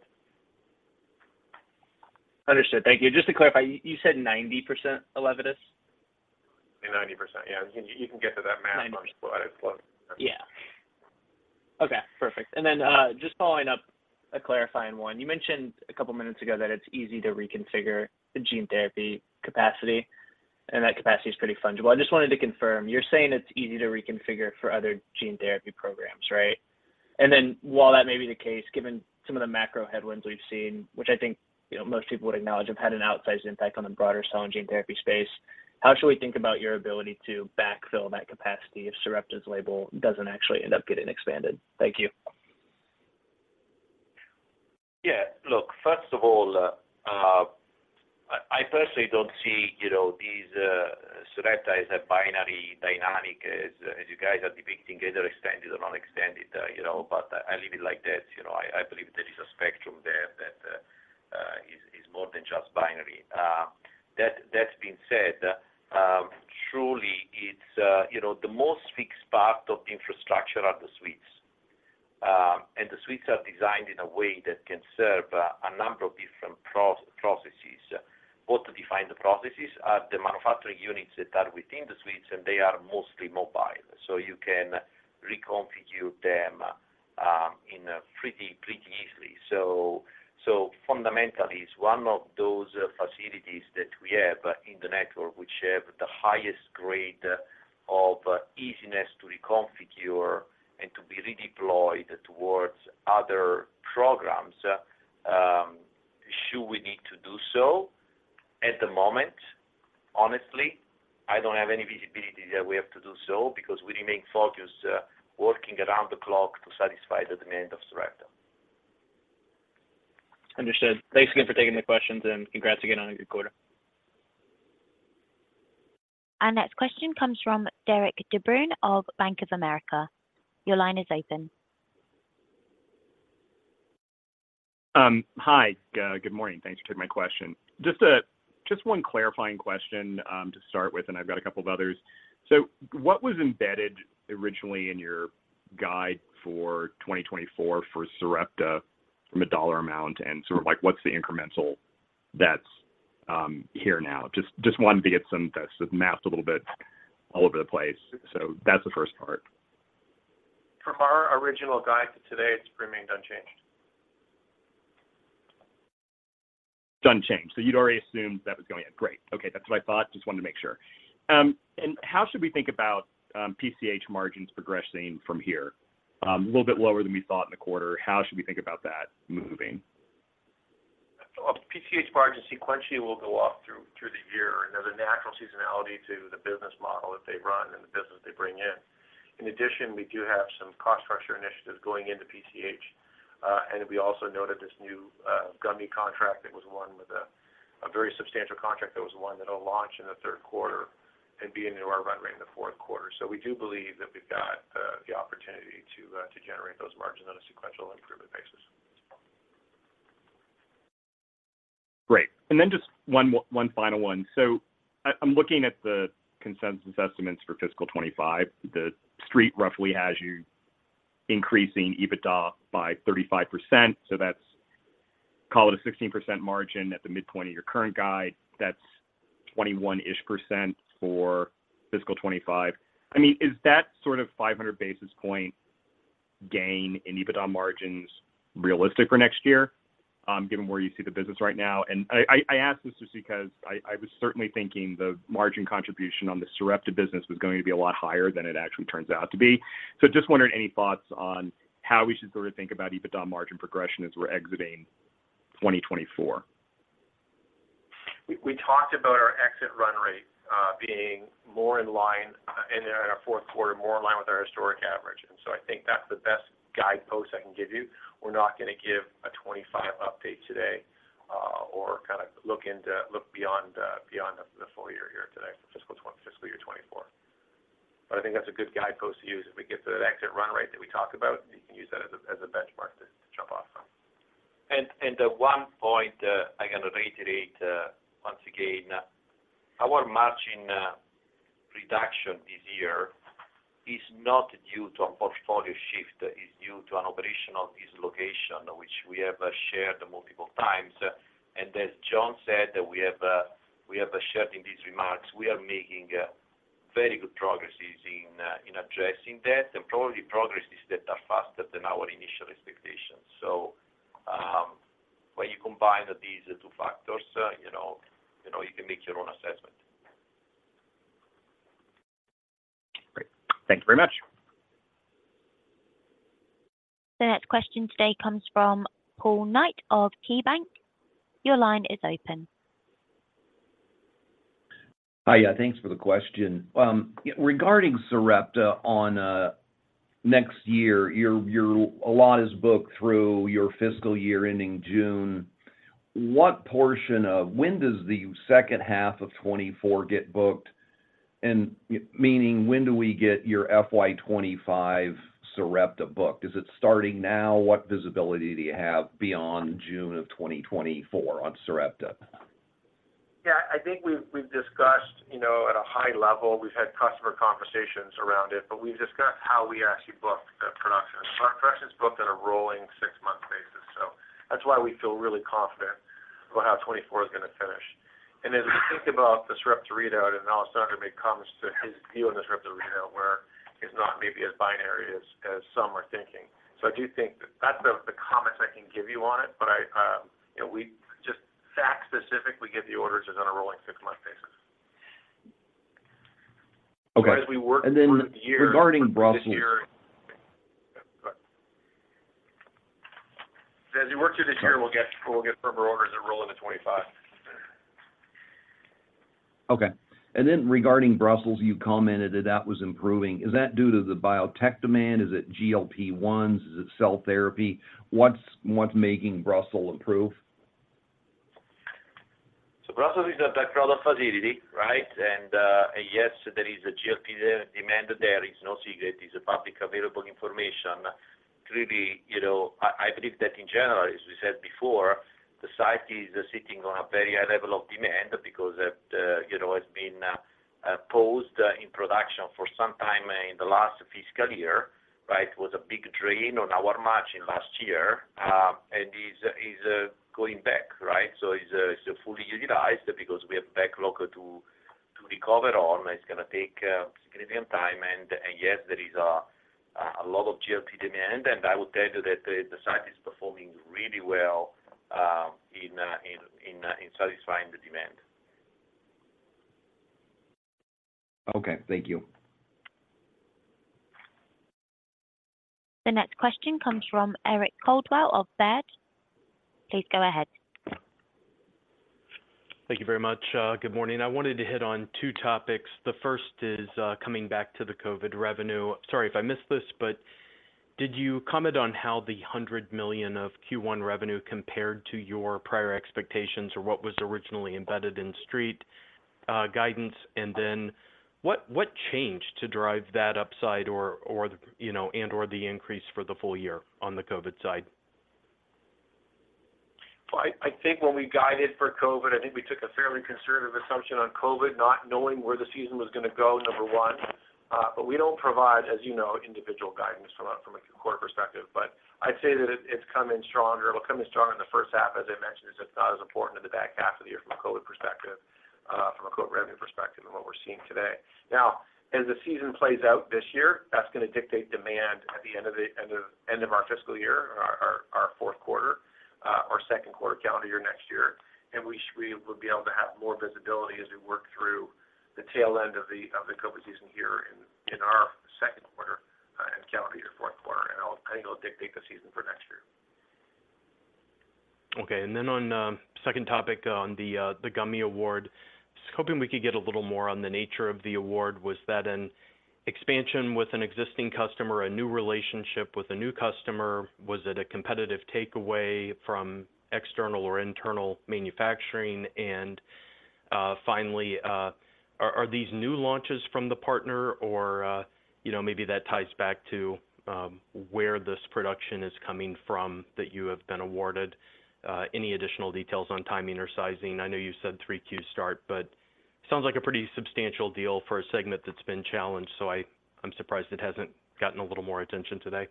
Understood. Thank you. Just to clarify, you said 90% Elevidys? 90%, yeah. You can, you can get to that math, but it's close. Yeah. Okay, perfect. Then, just following up with a clarifying one. You mentioned a couple of minutes ago that it's easy to reconfigure the gene therapy capacity, and that capacity is pretty fungible. I just wanted to confirm, you're saying it's easy to reconfigure for other gene therapy programs, right? And then while that may be the case, given some of the macro headwinds we've seen, which I think, you know, most people would acknowledge, have had an outsized impact on the broader cell and gene therapy space, how should we think about your ability to backfill that capacity if Sarepta's label doesn't actually end up getting expanded? Thank you. Yeah, look, first of all, I personally don't see, you know, these, Sarepta is a binary dynamic as you guys are depicting, either expanded or not expanded, you know, but I leave it like this. You know, I believe there is a spectrum there that is more than just binary. That being said, truly, it's, you know, the most fixed part of infrastructure are the suites. And the suites are designed in a way that can serve a number of different processes. Both to define the processes are the manufacturing units that are within the suites, and they are mostly mobile, so you can reconfigure them in a pretty easily. So fundamentally, it's one of those facilities that we have in the network, which have the highest grade of easiness to reconfigure and to be redeployed towards other programs, should we need to do so? At the moment, honestly, I don't have any visibility that we have to do so because we remain focused, working around the clock to satisfy the demand of Sarepta. Understood. Thanks again for taking the questions, and congrats again on a good quarter. Our next question comes from Derik De Bruin of Bank of America. Your line is open. Hi. Good morning. Thanks for taking my question. Just a, just one clarifying question, to start with, and I've got a couple of others. So what was embedded originally in your guide for 2024 for Sarepta from a dollar amount, and sort of like, what's the incremental that's here now? Just, just wanted to get some that's mapped a little bit all over the place. So that's the first part. From our original guide to today, it's remained unchanged. Unchanged. So you'd already assumed that was going in. Great. Okay, that's what I thought. Just wanted to make sure. How should we think about PCH margins progressing from here? A little bit lower than we thought in the quarter. How should we think about that moving? PCH margins sequentially will go up through the year. Another natural seasonality to the business model that they run and the business they bring in. In addition, we do have some cost structure initiatives going into PCH, and we also noted this new gummy contract that was one with a very substantial contract that was one that will launch in the third quarter and be into our run rate in the fourth quarter. So we do believe that we've got the opportunity to generate those margins on a sequential improvement basis. Great. And then just one, one final one. So I, I'm looking at the consensus estimates for fiscal 2025. The street roughly has you increasing EBITDA by 35%, so that's call it a 16% margin at the midpoint of your current guide. That's 21-ish% for fiscal 2025. I mean, is that sort of 500 basis point gain in EBITDA margins realistic for next year, given where you see the business right now? And I, I, I ask this just because I, I was certainly thinking the margin contribution on the Sarepta business was going to be a lot higher than it actually turns out to be. So just wondering, any thoughts on how we should sort of think about EBITDA margin progression as we're exiting 2024? We, we talked about our exit run rate, being more in line, in our fourth quarter, more in line with our historic average, and so I think that's the best guidepost I can give you. We're not gonna give a 25 update today, or kinda look into, look beyond, beyond the, the full year here today for fiscal 2024, fiscal year 2024. But I think that's a good guidepost to use. If we get to that exit run rate that we talked about, you can use that as a, as a benchmark to jump off from. The one point, I'm gonna reiterate once again, our margin reduction this year is not due to a portfolio shift. It's due to an operational dislocation, which we have shared multiple times. And as John said, we have shared in these remarks, we are making very good progresses in addressing that, and probably progresses that are faster than our initial expectations. So, when you combine these two factors, you know, you know, you can make your own assessment. Great. Thank you very much. The next question today comes from Paul Knight of KeyBanc. Your line is open. Hi, yeah, thanks for the question. Regarding Sarepta on next year, your allotment is booked through your fiscal year ending June. When does the second half of 2024 get booked? And meaning, when do we get your FY 2025 Sarepta booked? Is it starting now? What visibility do you have beyond June of 2024 on Sarepta? Yeah, I think we've discussed, you know, at a high level, we've had customer conversations around it, but we've discussed how we actually book production. Our production is booked on a rolling six-month basis. That's why we feel really confident about how 2024 is gonna finish. And as we think about the Sarepta readout, and Alessandro make comments to his view on the Sarepta readout, where it's not maybe as binary as some are thinking. So I do think that that's the comments I can give you on it, but I, you know, we just actually specifically get the orders is on a rolling six-month basis. Okay, and then regarding Brussels. As we work through this year, we'll get further orders of rolling the 25. Okay. And then regarding Brussels, you commented that that was improving. Is that due to the biotech demand? Is it GLP-1s? Is it cell therapy? What's, what's making Brussels improve? So Brussels is a product facility, right? And yes, there is a GLP demand there. It's no secret, it's publicly available information. Really, you know, I believe that in general, as we said before, the site is sitting on a very high level of demand because, you know, it's been paused in production for some time in the last fiscal year, right? It was a big drain on our margin last year, and is going back, right? So it's fully utilized because we have backlog to recover on. It's gonna take a significant time, and yes, there is a lot of GLP demand, and I will tell you that the site is performing really well in satisfying the demand. Okay, thank you. The next question comes from Eric Coldwell of Baird. Please go ahead. Thank you very much. Good morning. I wanted to hit on two topics. The first is coming back to the COVID revenue. Sorry if I missed this, but did you comment on how the $100 million of Q1 revenue compared to your prior expectations or what was originally embedded in Street guidance? And then, what changed to drive that upside or, you know, the increase for the full year on the COVID side? Well, I think when we guided for COVID, I think we took a fairly conservative assumption on COVID, not knowing where the season was gonna go, number one. But we don't provide, as you know, individual guidance from a quarter perspective. But I'd say that it's coming stronger. It'll come in stronger in the first half, as I mentioned, it's not as important in the back half of the year from a COVID perspective, from a COVID revenue perspective and what we're seeing today. Now, as the season plays out this year, that's gonna dictate demand at the end of our fiscal year, our fourth quarter, our second quarter, calendar year next year. And we will be able to have more visibility as we work through the tail end of the COVID season here in our second quarter and calendar year fourth quarter. And I think it'll dictate the season for next year. Okay. Then on the second topic on the gummy award. I was hoping we could get a little more on the nature of the award. Was that an expansion with an existing customer, a new relationship with a new customer? Was it a competitive takeaway from external or internal manufacturing? And finally, are these new launches from the partner or, you know, maybe that ties back to where this production is coming from, that you have been awarded? Any additional details on timing or sizing? I know you said 3 Qs start, but sounds like a pretty substantial deal for a segment that's been challenged, so I'm surprised it hasn't gotten a little more attention today.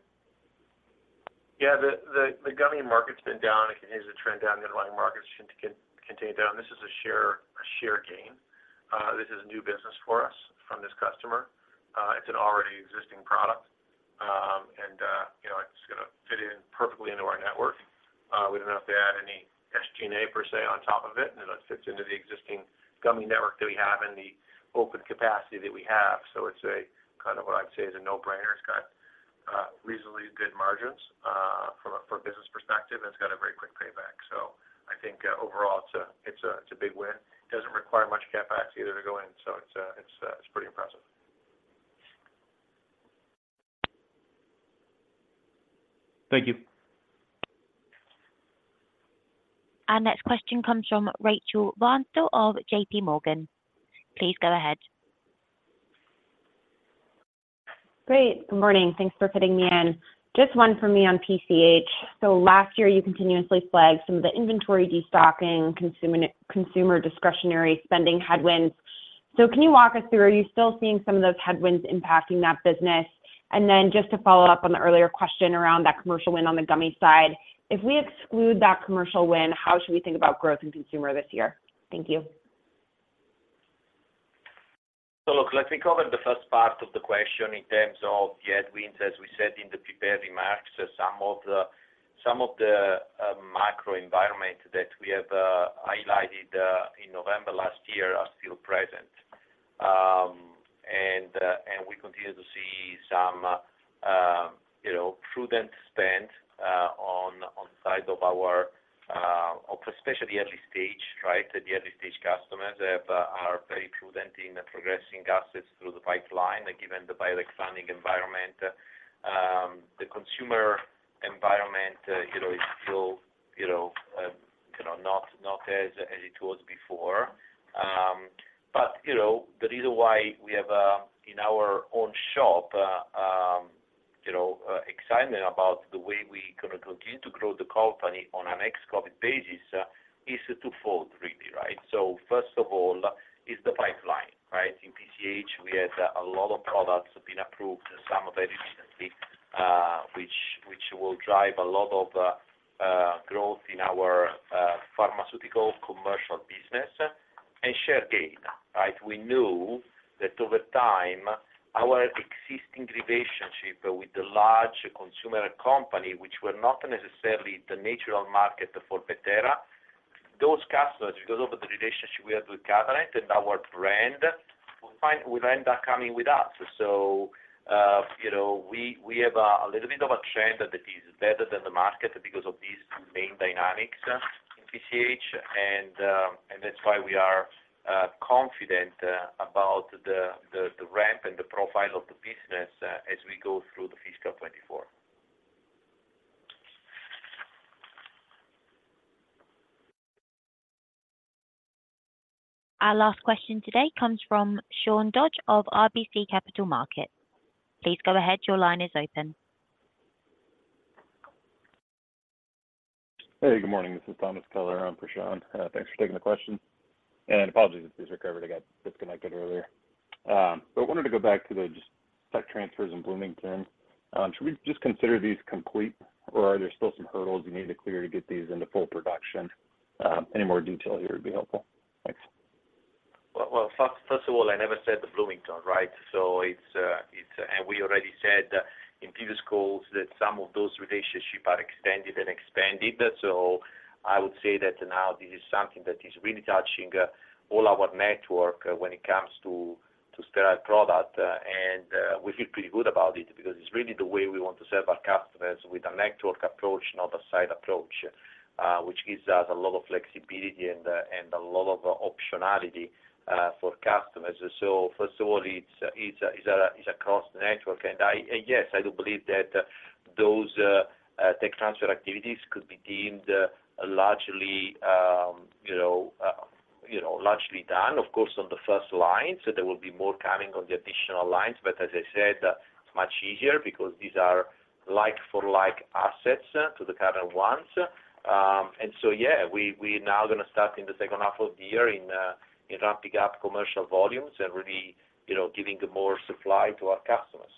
Yeah, the gummy market's been down. It continues to trend down. The underlying markets should continue down. This is a share gain. This is a new business for us from this customer. It's an already existing product. You know, it's gonna fit in perfectly into our network. We don't have to add any SG&A per se on top of it, and it fits into the existing gummy network that we have and the open capacity that we have. So it's a kind of what I'd say is a no-brainer. It's got reasonably good margins from a business perspective, and it's got a very quick payback. So I think overall, it's a big win. It doesn't require much CapEx either to go in, so it's pretty impressive. Thank you. Our next question comes from Rachel Vatnsdal of J.P. Morgan. Please go ahead. Great. Good morning. Thanks for putting me in. Just one for me on PCH. So last year, you continuously flagged some of the inventory destocking, consumer, consumer discretionary spending headwinds. So can you walk us through, are you still seeing some of those headwinds impacting that business? And then just to follow up on the earlier question around that commercial win on the gummy side, if we exclude that commercial win, how should we think about growth in consumer this year? Thank you. So look, let me cover the first part of the question in terms of the headwinds. As we said in the prepared remarks, some of the macro environment that we have highlighted in November last year are still present. And we continue to see some you know prudent spend on the sides of our especially early stage, right? The early stage customers are very prudent in progressing assets through the pipeline, given the bio funding environment. The consumer environment you know is still you know not as it was before. But you know the reason why we have in our own shop you know excitement about the way we gonna continue to grow the company on an ex-COVID basis is twofold, really, right? So first of all, is the pipeline, Right? In PCH, we had a lot of products have been approved, some very recently, which, which will drive a lot of growth in our pharmaceutical commercial business and share gain, right? We know that over time, our existing relationship with the large consumer company, which were not necessarily the natural market for Bettera, those customers, because of the relationship we have with Catalent and our brand, will end up coming with us. So, you know, we have a little bit of a trend that is better than the market because of these main dynamics in PCH, and that's why we are confident about the ramp and the profile of the business as we go through the fiscal 2024. Our last question today comes from Sean Dodge of RBC Capital Markets. Please go ahead. Your line is open. Hey, good morning. This is Thomas Kelliher on for Sean. Thanks for taking the question. Apologies if these are covered, I got disconnected earlier. But wanted to go back to the tech transfers in Bloomington. Should we just consider these complete, or are there still some hurdles you need to clear to get these into full production? Any more detail here would be helpful. Thanks. Well, first of all, I never said the Bloomington, right? So it's. And we already said in previous calls that some of those relationships are extended and expanded. So I would say that now this is something that is really touching all our network when it comes to sterile product. And we feel pretty good about it because it's really the way we want to serve our customers with a network approach, not a site approach, which gives us a lot of flexibility and a lot of optionality for customers. So first of all, it's across the network. And yes, I do believe that those tech transfer activities could be deemed largely, you know, largely done, of course, on the first line. So there will be more coming on the additional lines, but as I said, it's much easier because these are like for like assets to the current ones. And so, yeah, we now gonna start in the second half of the year in in ramping up commercial volumes and really, you know, giving more supply to our customers.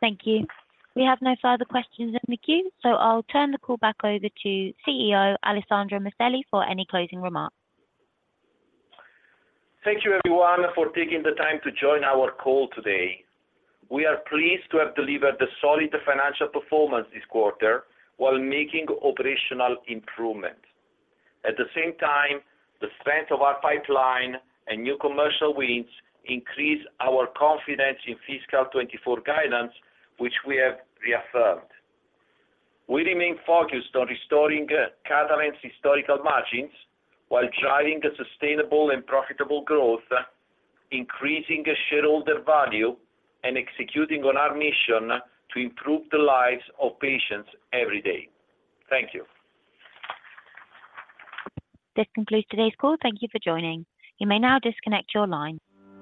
Thank you. We have no further questions in the queue, so I'll turn the call back over to CEO, Alessandro Maselli, for any closing remarks. Thank you, everyone, for taking the time to join our call today. We are pleased to have delivered a solid financial performance this quarter while making operational improvement. At the same time, the strength of our pipeline and new commercial wins increase our confidence in fiscal 2024 guidance, which we have reaffirmed. We remain focused on restoring Catalent's historical margins while driving a sustainable and profitable growth, increasing shareholder value, and executing on our mission to improve the lives of patients every day. Thank you. This concludes today's call. Thank you for joining. You may now disconnect your line.